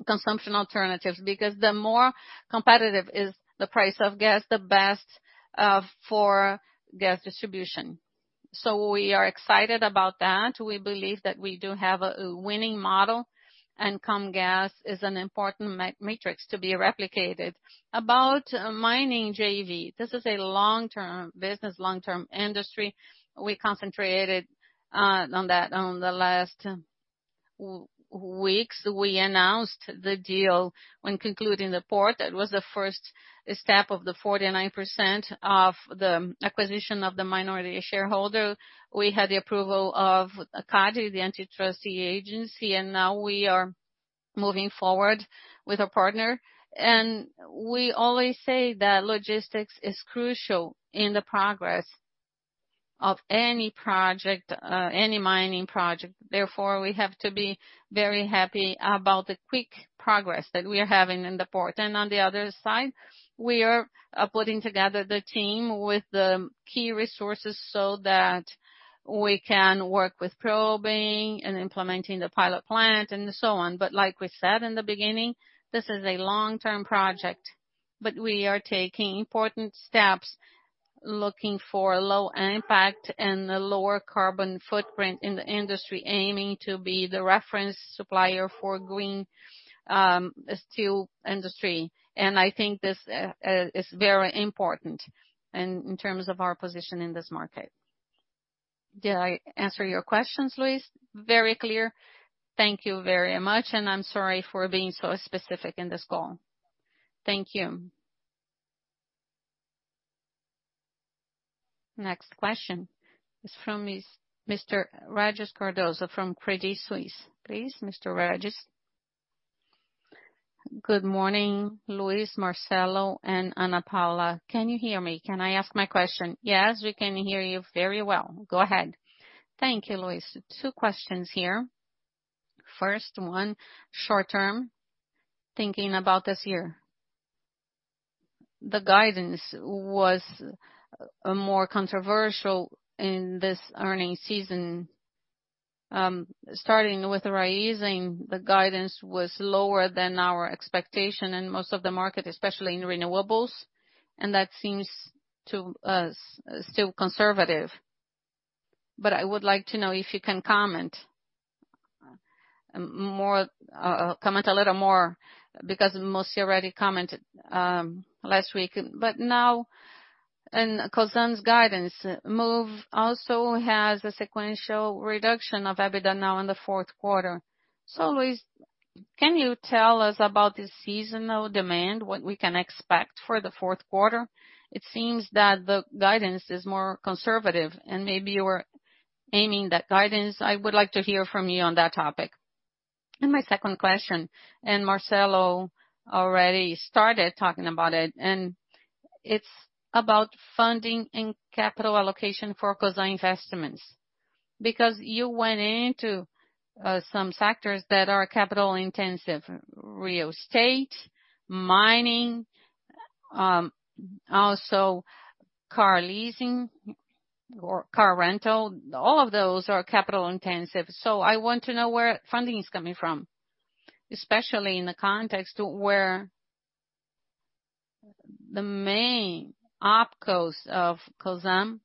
consumption alternatives, because the more competitive is the price of gas, the better for gas distribution. We are excited about that. We believe that we do have a winning model, and Comgás is an important matrix to be replicated. About mining JV. This is a long-term business, long-term industry. We concentrated on that on the last weeks. We announced the deal when concluding the port. That was the first step of the 49% of the acquisition of the minority shareholder. We had the approval of CADE, the antitrust agency, and now we are moving forward with our partner. We always say that logistics is crucial in the progress of any project, any mining project. Therefore, we have to be very happy about the quick progress that we are having in the port. On the other side, we are putting together the team with the key resources so that we can work with probing and implementing the pilot plant and so on. Like we said in the beginning, this is a long-term project, but we are taking important steps, looking for low impact and a lower carbon footprint in the industry, aiming to be the reference supplier for green steel industry. I think this is very important in terms of our position in this market. Did I answer your questions, Luiz? Very clear. Thank you very much, and I'm sorry for being so specific in this call. Thank you. Next question is from Mr. Regis Cardoso from Credit Suisse. Please, Mr. Regis. Good morning, Luis, Marcelo, and Ana, Paula. Can you hear me? Can I ask my question? Yes, we can hear you very well. Go ahead. Thank you, Luis. Two questions here. First one, short-term, thinking about this year. The guidance was more controversial in this earnings season. Starting with Raízen, the guidance was lower than our expectation in most of the market, especially in Renewables, and that seems to us still conservative. I would like to know if you can comment a little more, because most you already commented last week. Now in Cosan's guidance, Moove also has a sequential reduction of EBITDA in the fourth quarter. Luis, can you tell us about the seasonal demand, what we can expect for the fourth quarter? It seems that the guidance is more conservative and maybe you were aiming that guidance. I would like to hear from you on that topic. My second question, Marcelo already started talking about it, and it's about funding and capital allocation for Cosan's investments. Because you went into some sectors that are capital-intensive, real estate, mining, also car leasing or car rental. All of those are capital-intensive. I want to know where funding is coming from, especially in the context where the main opcos of Cosan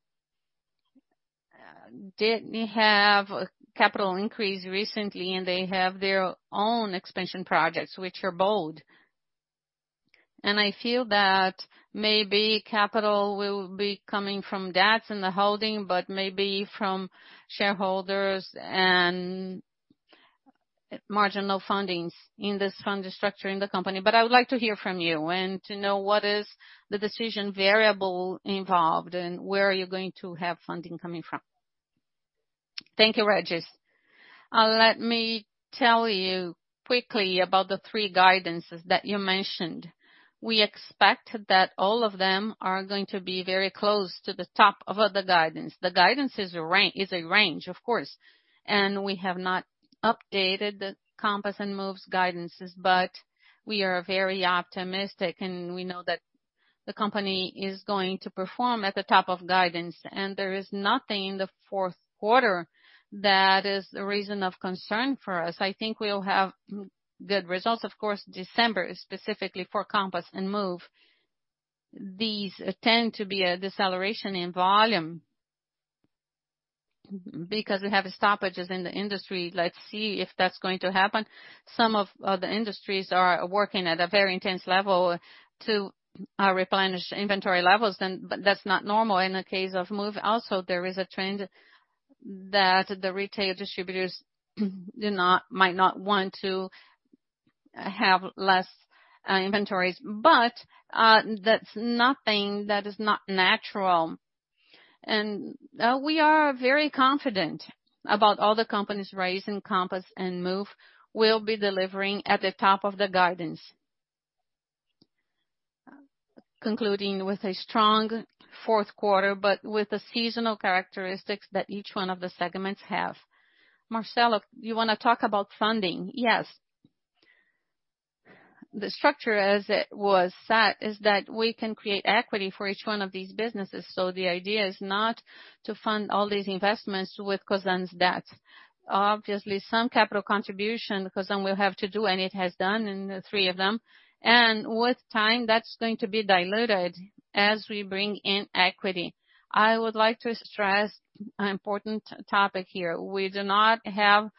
didn't have capital increase recently, and they have their own expansion projects, which are bold. I feel that maybe capital will be coming from debts in the holding, but maybe from shareholders and marginal fundings in this funding structure in the company. I would like to hear from you and to know what is the decision variable involved and where are you going to have funding coming from. Thank you, Regis. Let me tell you quickly about the three guidances that you mentioned. We expect that all of them are going to be very close to the top of the guidance. The guidance is a range, of course. We have not updated the Compass and Moove's guidances, but we are very optimistic, and we know that the company is going to perform at the top of guidance. There is nothing in the fourth quarter that is a reason of concern for us. I think we'll have good results. Of course, December is specifically for Compass and Moove. These tend to be a deceleration in volume because we have stoppages in the industry. Let's see if that's going to happen. Some of the industries are working at a very intense level to replenish inventory levels and but that's not normal. In the case of Moove also, there is a trend that the retail distributors might not want to have less inventories. But that's nothing that is not natural. We are very confident about all the companies, Raízen, Compass and Moove will be delivering at the top of the guidance. Concluding with a strong fourth quarter, but with the seasonal characteristics that each one of the segments have. Marcelo, you wanna talk about funding? Yes. The structure as it was set is that we can create equity for each one of these businesses. The idea is not to fund all these investments with Cosan's debt. Obviously, some capital contribution Cosan will have to do, and it has done in the three of them. With time, that's going to be diluted as we bring in equity. I would like to stress an important topic here. We do not have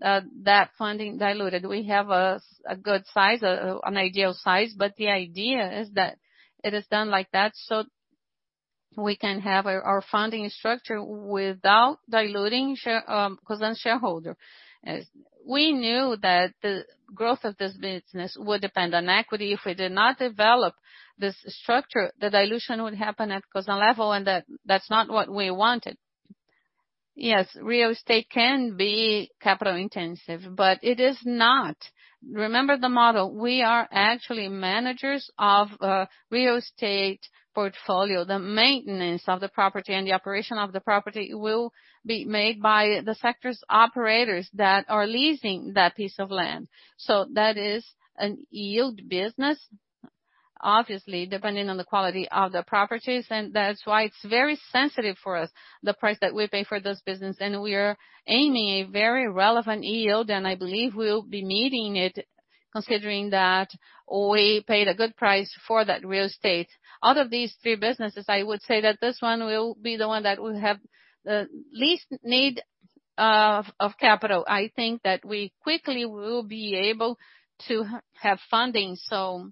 that funding diluted. We have a good size, an ideal size, but the idea is that it is done like that, so we can have our funding structure without diluting share, Cosan shareholder. We knew that the growth of this business would depend on equity. If we did not develop this structure, the dilution would happen at Cosan level, and that's not what we wanted. Yes, real estate can be capital-intensive, but it is not. Remember the model. We are actually managers of real estate portfolio. The maintenance of the property and the operation of the property will be made by the sector's operators that are leasing that piece of land. So that is a yield business, obviously, depending on the quality of the properties, and that's why it's very sensitive for us, the price that we pay for this business. We are aiming a very relevant yield, and I believe we'll be meeting it considering that we paid a good price for that real estate. Out of these three businesses, I would say that this one will be the one that will have the least need of capital. I think that we quickly will be able to have funding so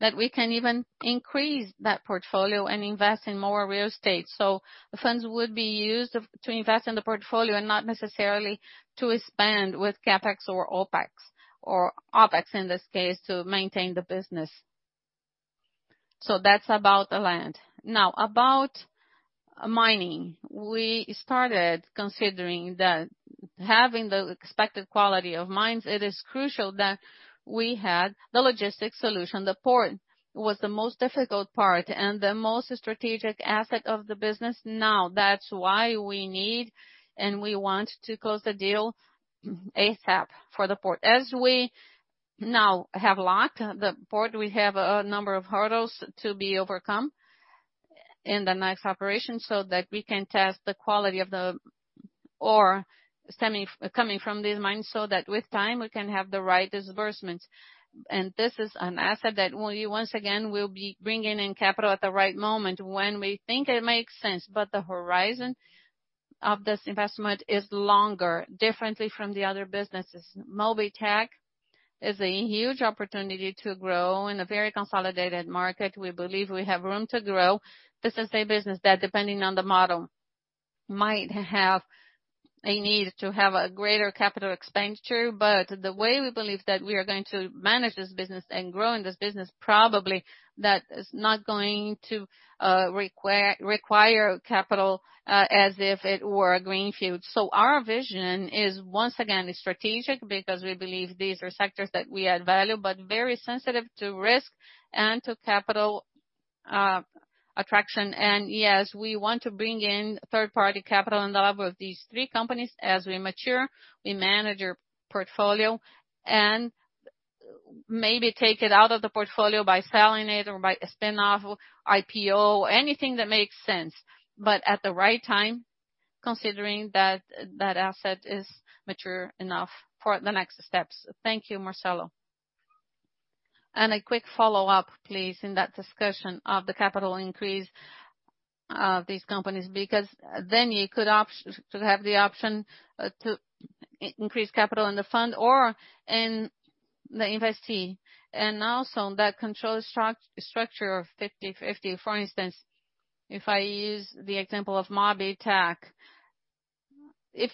that we can even increase that portfolio and invest in more real estate. The funds would be used to invest in the portfolio and not necessarily to expand with CapEx or OpEx in this case, to maintain the business. That's about the land. Now, about mining. We started considering that having the expected quality of mines, it is crucial that we had the logistics solution. The port was the most difficult part and the most strategic asset of the business now. That's why we need and we want to close the deal ASAP for the port. As we now have locked the port, we have a number of hurdles to be overcome in the next operation so that we can test the quality of the ore coming from these mines, so that with time we can have the right disbursements. This is an asset that we once again will be bringing in capital at the right moment when we think it makes sense. The horizon of this investment is longer, differently from the other businesses. Mobitech is a huge opportunity to grow in a very consolidated market. We believe we have room to grow. This is a business that, depending on the model, might have a need to have a greater capital expenditure. The way we believe that we are going to manage this business and grow in this business, probably that is not going to require capital as if it were a greenfield. Our vision is, once again, strategic because we believe these are sectors that we add value, but very sensitive to risk and to capital attraction. Yes, we want to bring in third-party capital in all of these three companies. As we mature, we manage our portfolio and maybe take it out of the portfolio by selling it or by a spin-off, IPO, anything that makes sense. At the right time, considering that that asset is mature enough for the next steps. Thank you, Marcelo. A quick follow-up, please, in that discussion of the capital increase of these companies, because then you could—could have the option to increase capital in the fund or in the investee. Also that control structure of 50/50. For instance, if I use the example of Mobitech, if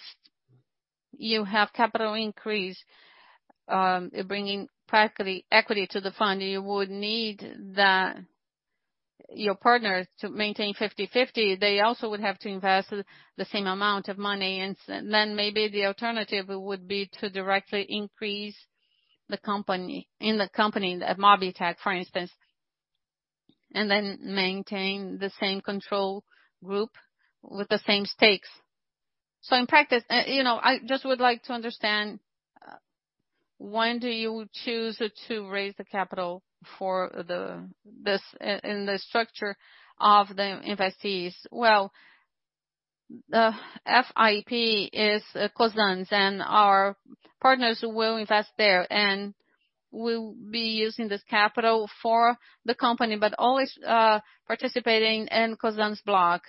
you have capital increase, bringing practically equity to the fund, you would need your partners to maintain 50/50. They also would have to invest the same amount of money. Then maybe the alternative would be to directly increase the company, in the company, Mobitech, for instance, and then maintain the same control group with the same stakes. In practice, you know, I just would like to understand when do you choose to raise the capital for this in the structure of the investees? Well, the FIP is Cosan's and our partners will invest there, and we'll be using this capital for the company, but always participating in Cosan's block.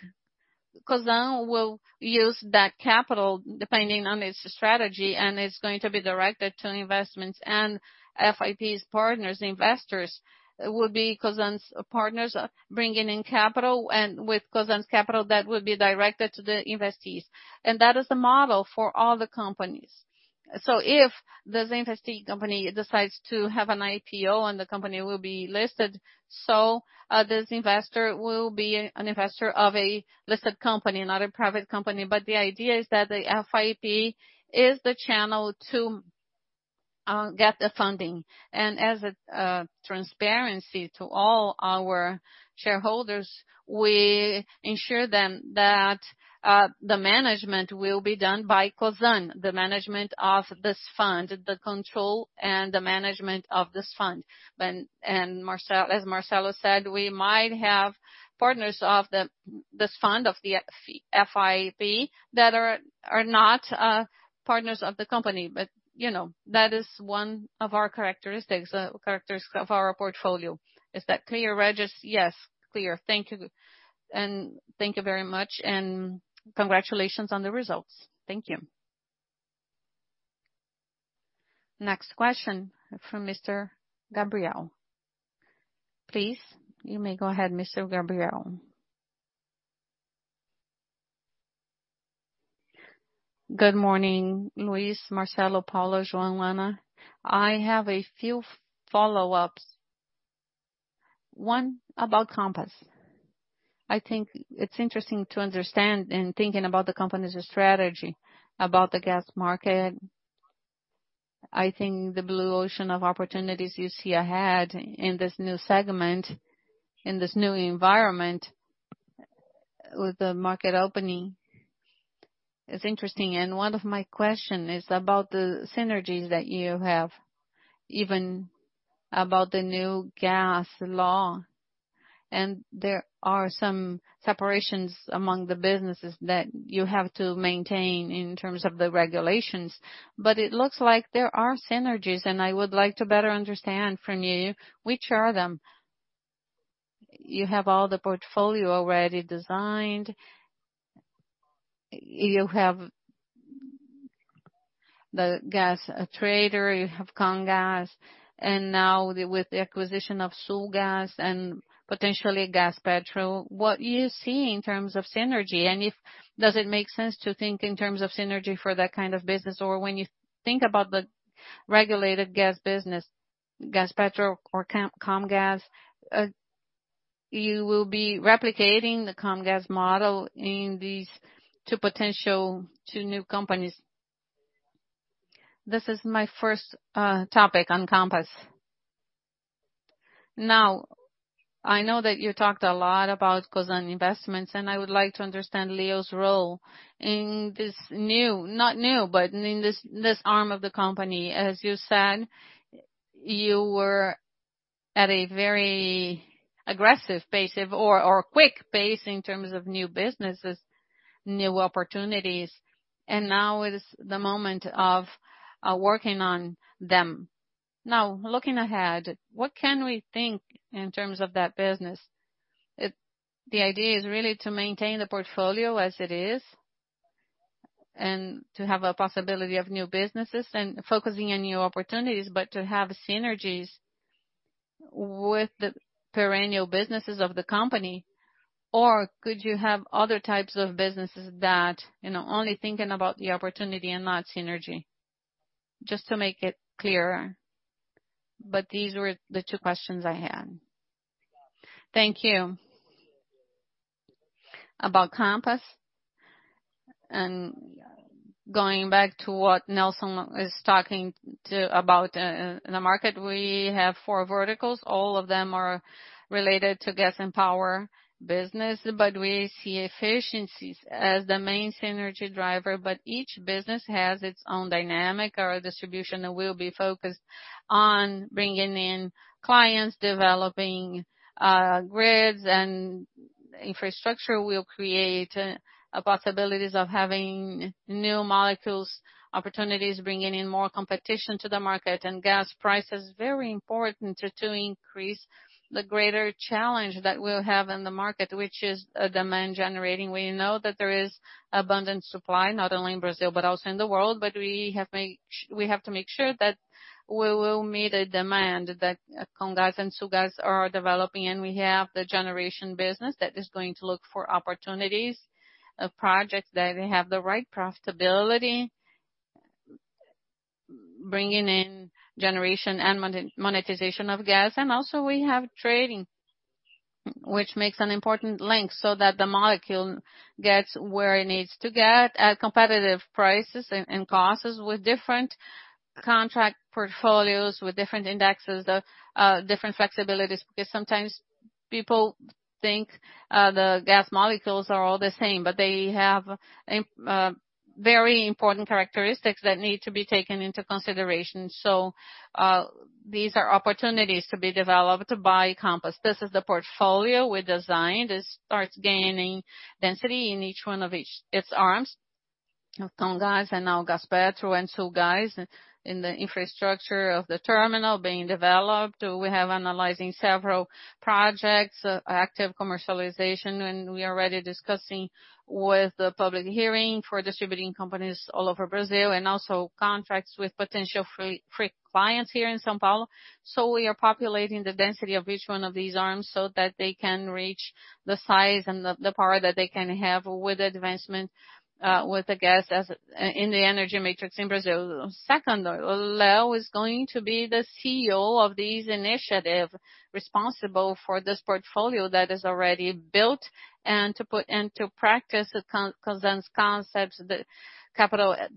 Cosan will use that capital depending on its strategy, and it's going to be directed to investments and FIP's partners. Investors will be Cosan's partners bringing in capital and with Cosan's capital that will be directed to the investees. That is the model for all the companies. If this investee company decides to have an IPO and the company will be listed, this investor will be an investor of a listed company, not a private company. The idea is that the FIP is the channel to get the funding. As a transparency to all our shareholders, we ensure them that the management will be done by Cosan, the management of this fund, the control and the management of this fund. Marcelo said, we might have partners of this fund, of the FIP that are not partners of the company. But you know, that is one of our characteristics of our portfolio. Is that clear, Regis? Yes, clear. Thank you. Thank you very much and congratulations on the results. Thank you. Next question from Mr. Gabriel. Please, you may go ahead, Mr. Gabriel. Good morning, Luis, Marcelo, Paula, João, Ana. I have a few follow-ups. One about Compass. I think it's interesting to understand and thinking about the company's strategy about the gas market. I think the blue ocean of opportunities you see ahead in this new segment, in this new environment with the market opening is interesting. One of my question is about the synergies that you have, even about the New Gas Law. There are some separations among the businesses that you have to maintain in terms of the regulations, but it looks like there are synergies, and I would like to better understand from you which are them. You have all the portfolio already designed. You have the gas trader, you have Comgás, and now with the acquisition of Sulgás and potentially Gaspetro, what you see in terms of synergy, and if does it make sense to think in terms of synergy for that kind of business? When you think about the regulated gas business, Gaspetro or Comgás, you will be replicating the Comgás model in these two potential new companies. This is my first topic on Compass. Now, I know that you talked a lot about Cosan Investimentos, and I would like to understand Leo's role in this not new, but in this arm of the company. As you said, you were at a very aggressive pace or quick pace in terms of new businesses, new opportunities, and now is the moment of working on them. Now, looking ahead, what can we think in terms of that business? The idea is really to maintain the portfolio as it is and to have a possibility of new businesses and focusing on new opportunities, but to have synergies with the perennial businesses of the company. Could you have other types of businesses that, you know, only thinking about the opportunity and not synergy? Just to make it clearer. These were the two questions I had. Thank you. About Compass, going back to what Nelson is talking about, in the market, we have four verticals. All of them are related to gas and power business, but we see efficiencies as the main synergy driver. Each business has its own dynamic or distribution that will be focused on bringing in clients, developing, grids and infrastructure. We'll create possibilities of having new molecules, opportunities, bringing in more competition to the market. Gas price is very important to increase the greater challenge that we'll have in the market, which is a demand generation. We know that there is abundant supply, not only in Brazil, but also in the world. We have to make sure that we will meet the demand that Comgás and Sulgás are developing. We have the generation business that is going to look for opportunities of projects that have the right profitability, bringing in generation and monetization of gas. We also have trading, which makes an important link so that the molecule gets where it needs to get at competitive prices and costs with different contract portfolios, with different indexes, different flexibilities. Because sometimes people think the gas molecules are all the same, but they have very important characteristics that need to be taken into consideration. These are opportunities to be developed by Compass. This is the portfolio we designed. It starts gaining density in each one of its arms of Comgás and now Gaspetro and Sulgás in the infrastructure of the terminal being developed. We are analyzing several projects, active commercialization, and we are already discussing with the public hearing for distributing companies all over Brazil and also contracts with potential free clients here in São Paulo. We are populating the density of each one of these arms so that they can reach the size and the power that they can have with the advancement of the gas in the energy matrix in Brazil. Second, Leo is going to be the CEO of this initiative, responsible for this portfolio that is already built and to put into practice Cosan's concepts, the capital allocation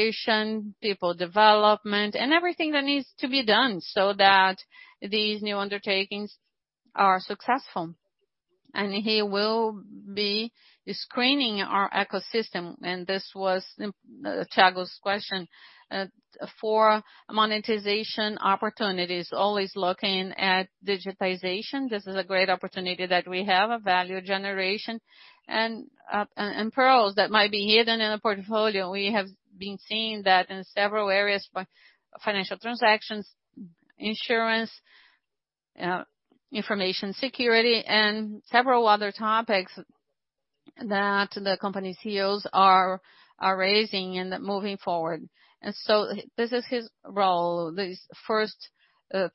discipline, people development, and everything that needs to be done so that these new undertakings are successful. He will be screening our ecosystem, and this was Thiago's question, for monetization opportunities, always looking at digitization. This is a great opportunity that we have, a value generation and pearls that might be hidden in a portfolio. We have been seeing that in several areas, financial transactions, insurance, information security, and several other topics that the company CEOs are raising and moving forward. This is his role. These first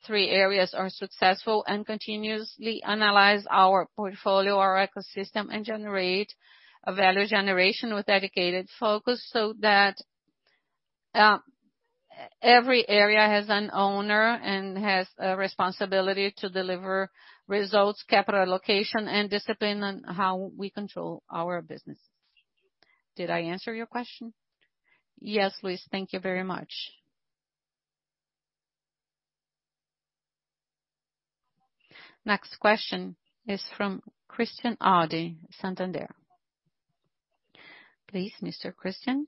three areas are successful and continuously analyze our portfolio, our ecosystem, and generate a value generation with dedicated focus so that every area has an owner and has a responsibility to deliver results, capital allocation, and discipline on how we control our business. Did I answer your question? Yes, Luis, thank you very much. Next question is from Christian Audi, Santander. Please, Mr. Christian.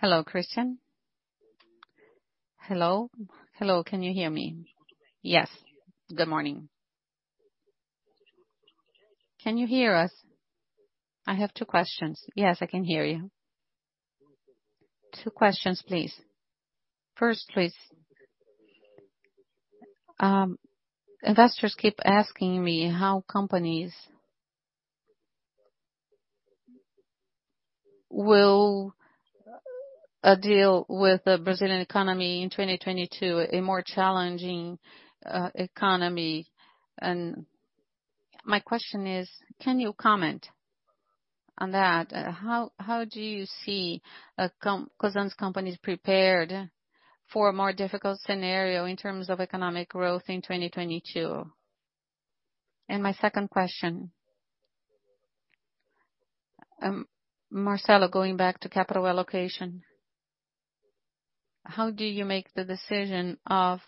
Hello, Christian. Hello? Hello, can you hear me? Yes. Good morning. Can you hear us? I have two questions. Yes, I can hear you. Two questions, please. First, please. Investors keep asking me how companies will deal with the Brazilian economy in 2022, a more challenging economy. My question is, can you comment on that? How do you see Cosan's companies prepared for a more difficult scenario in terms of economic growth in 2022? My second question. Marcelo, going back to capital allocation. How do you make the decision of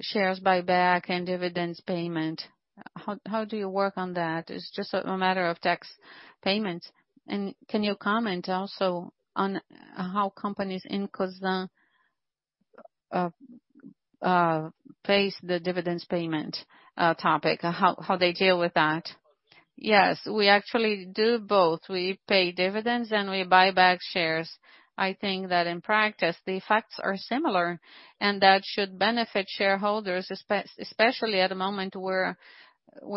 shares buyback and dividends payment? How do you work on that? It's just a matter of tax payment. Can you comment also on how companies in Cosan face the dividends payment topic, how they deal with that. Yes, we actually do both. We pay dividends and we buy back shares. I think that in practice, the effects are similar and that should benefit shareholders, especially at a moment where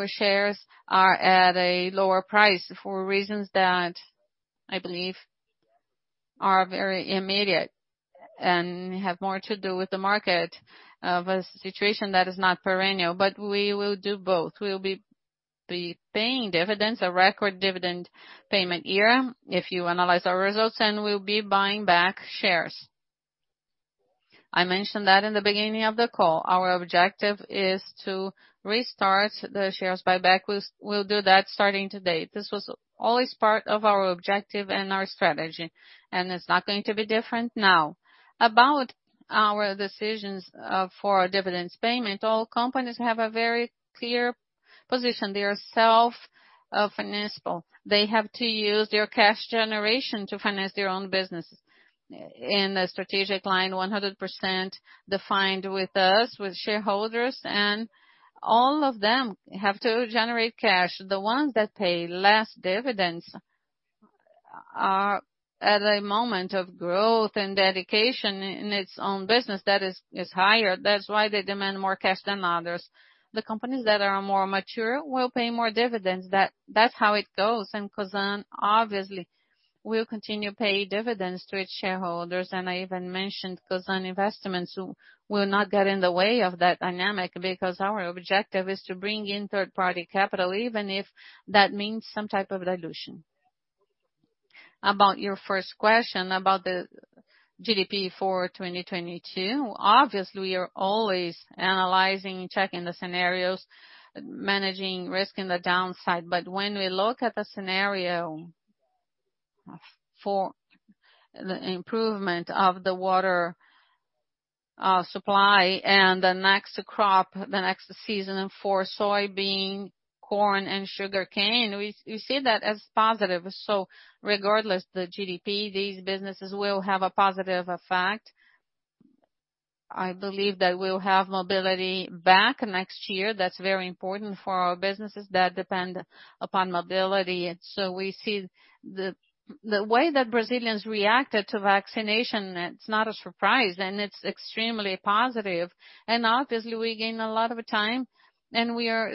shares are at a lower price for reasons that I believe are very immediate and have more to do with the market or a situation that is not perennial. We will do both. We'll be paying dividends, a record dividend payment year if you analyze our results, and we'll be buying back shares. I mentioned that in the beginning of the call. Our objective is to restart the share buyback. We'll do that starting today. This was always part of our objective and our strategy, and it's not going to be different now. About our decisions for dividends payment, all companies have a very clear position. They are self-financeable. They have to use their cash generation to finance their own businesses in a strategic line 100% defined with us, with shareholders, and all of them have to generate cash. The ones that pay less dividends are at a moment of growth and dedication in its own business that is higher. That's why they demand more cash than others. The companies that are more mature will pay more dividends. That's how it goes. Cosan obviously will continue pay dividends to its shareholders. I even mentioned Cosan Investimentos will not get in the way of that dynamic because our objective is to bring in third-party capital, even if that means some type of dilution. About your first question about the GDP for 2022, obviously, we are always analyzing, checking the scenarios, managing risk in the downside. When we look at the scenario for the improvement of the water supply and the next crop, the next season for soybean, corn, and Sugarcane, we see that as positive. Regardless of the GDP, these businesses will have a positive effect. I believe that we'll have mobility back next year. That's very important for our businesses that depend upon mobility. We see the way that Brazilians reacted to vaccination. It's not a surprise, and it's extremely positive. Obviously, we gain a lot of time and we are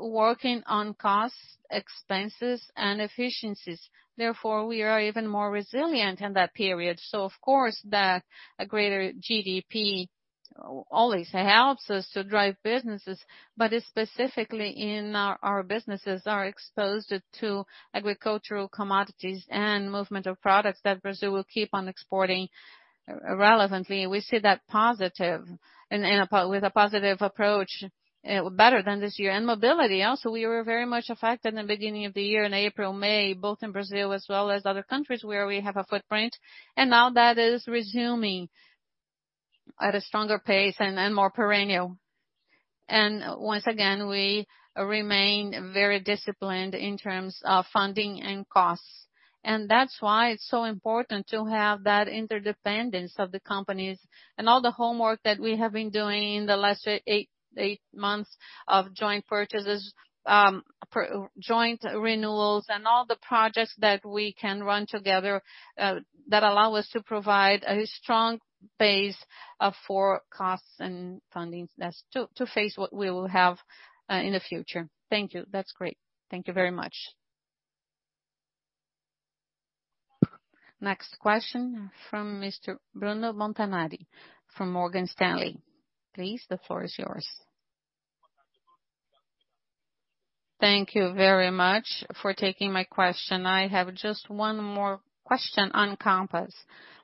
working on costs, expenses, and efficiencies. Therefore, we are even more resilient in that period. Of course, the greater GDP always helps us to drive businesses, but specifically in our businesses are exposed to agricultural commodities and movement of products that Brazil will keep on exporting relevantly. We see that positive with a positive approach, better than this year. Mobility also, we were very much affected in the beginning of the year in April, May, both in Brazil as well as other countries where we have a footprint. Now that is resuming at a stronger pace and more perennial. Once again, we remain very disciplined in terms of funding and costs. That's why it's so important to have that interdependence of the companies and all the homework that we have been doing in the last eight months of joint purchases, joint renewals and all the projects that we can run together, that allow us to provide a strong base for costs and fundings to face what we will have in the future. Thank you. That's great. Thank you very much. Next question from Mr. Bruno Montanari from Morgan Stanley. Please, the floor is yours. Thank you very much for taking my question. I have just one more question on Compass.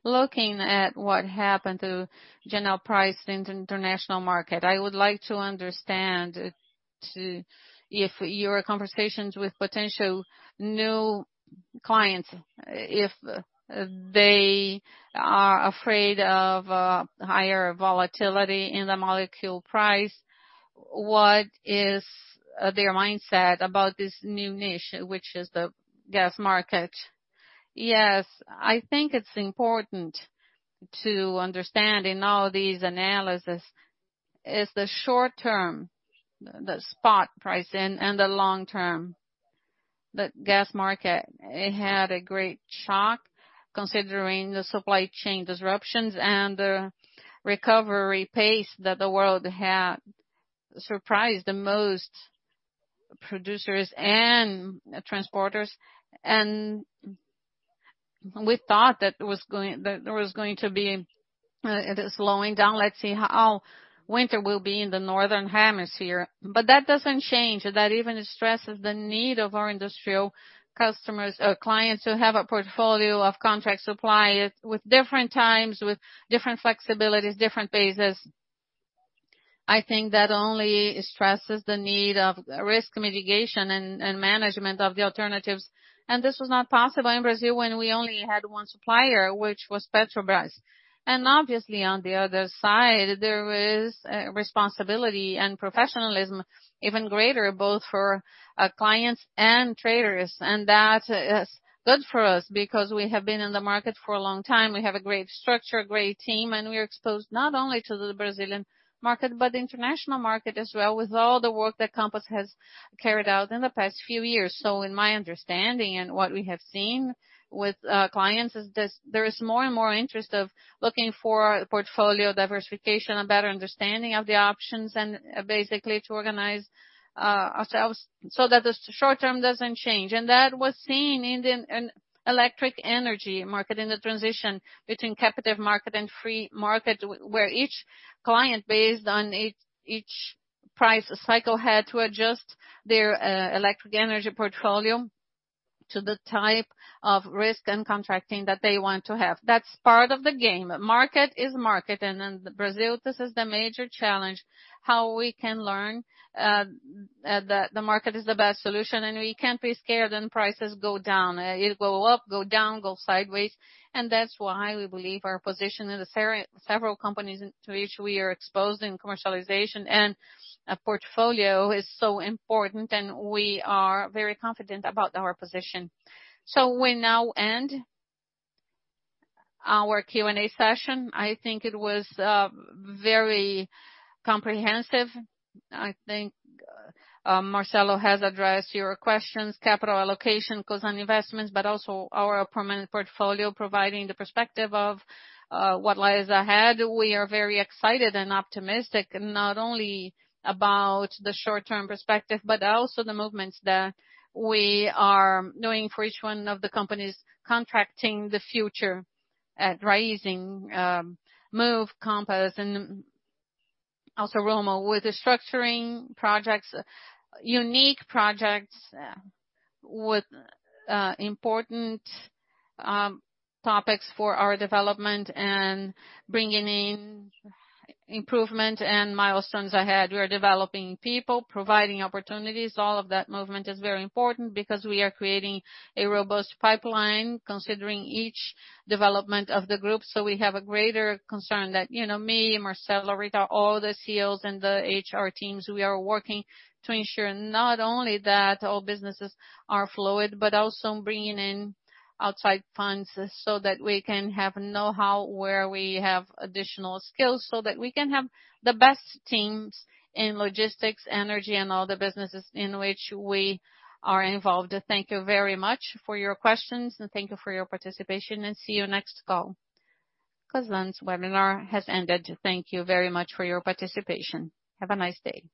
Looking at what happened to gas price in international market, I would like to understand if your conversations with potential new clients, if they are afraid of higher volatility in the molecule price, what is their mindset about this new niche, which is the gas market? Yes, I think it's important to understand in all these analysis is the short term, the spot price and the long term. The gas market had a great shock considering the supply chain disruptions and the recovery pace that the world had surprised the most producers and transporters. We thought that there was going to be this slowing down. Let's see how winter will be in the northern hemisphere. That doesn't change. That even stresses the need of our industrial customers or clients to have a portfolio of contract suppliers with different times, with different flexibilities, different bases. I think that only stresses the need of risk mitigation and management of the alternatives. This was not possible in Brazil when we only had one supplier, which was Petrobras. Obviously, on the other side, there is responsibility and professionalism, even greater, both for clients and traders. That is good for us because we have been in the market for a long time. We have a great structure, great team, and we are exposed not only to the Brazilian market, but the international market as well, with all the work that Compass has carried out in the past few years. In my understanding and what we have seen with clients is this, there is more and more interest of looking for portfolio diversification and better understanding of the options and basically to organize ourselves so that the short term doesn't change. That was seen in the electric energy market, in the transition between captive market and free market, where each client, based on each price cycle, had to adjust their electric energy portfolio to the type of risk and contracting that they want to have. That's part of the game. Market is market. In Brazil, this is the major challenge, how we can learn the market is the best solution. We can't be scared when prices go down. It go up, go down, go sideways. That's why we believe our position in the several companies to which we are exposed in commercialization and a portfolio is so important, and we are very confident about our position. We now end our Q&A session. I think it was very comprehensive. I think Marcelo has addressed your questions, capital allocation, Cosan Investimentos, but also our permanent portfolio, providing the perspective of what lies ahead. We are very excited and optimistic, not only about the short term perspective, but also the movements that we are doing for each one of the companies constructing the future at Raízen, Moove, Compass and also Rumo, with the structuring projects, unique projects, with important topics for our development and bringing in improvement and milestones ahead. We are developing people, providing opportunities. All of that movement is very important because we are creating a robust pipeline considering each development of the group. We have a greater concern that, you know me, Marcelo, Rita, all the CEOs and the HR teams, we are working to ensure not only that all businesses are fluid, but also bringing in outside funds so that we can have know-how, where we have additional skills, so that we can have the best teams in logistics, energy and all the businesses in which we are involved. Thank you very much for your questions, and thank you for your participation and see you next call. Cosan's webinar has ended. Thank you very much for your participation. Have a nice day.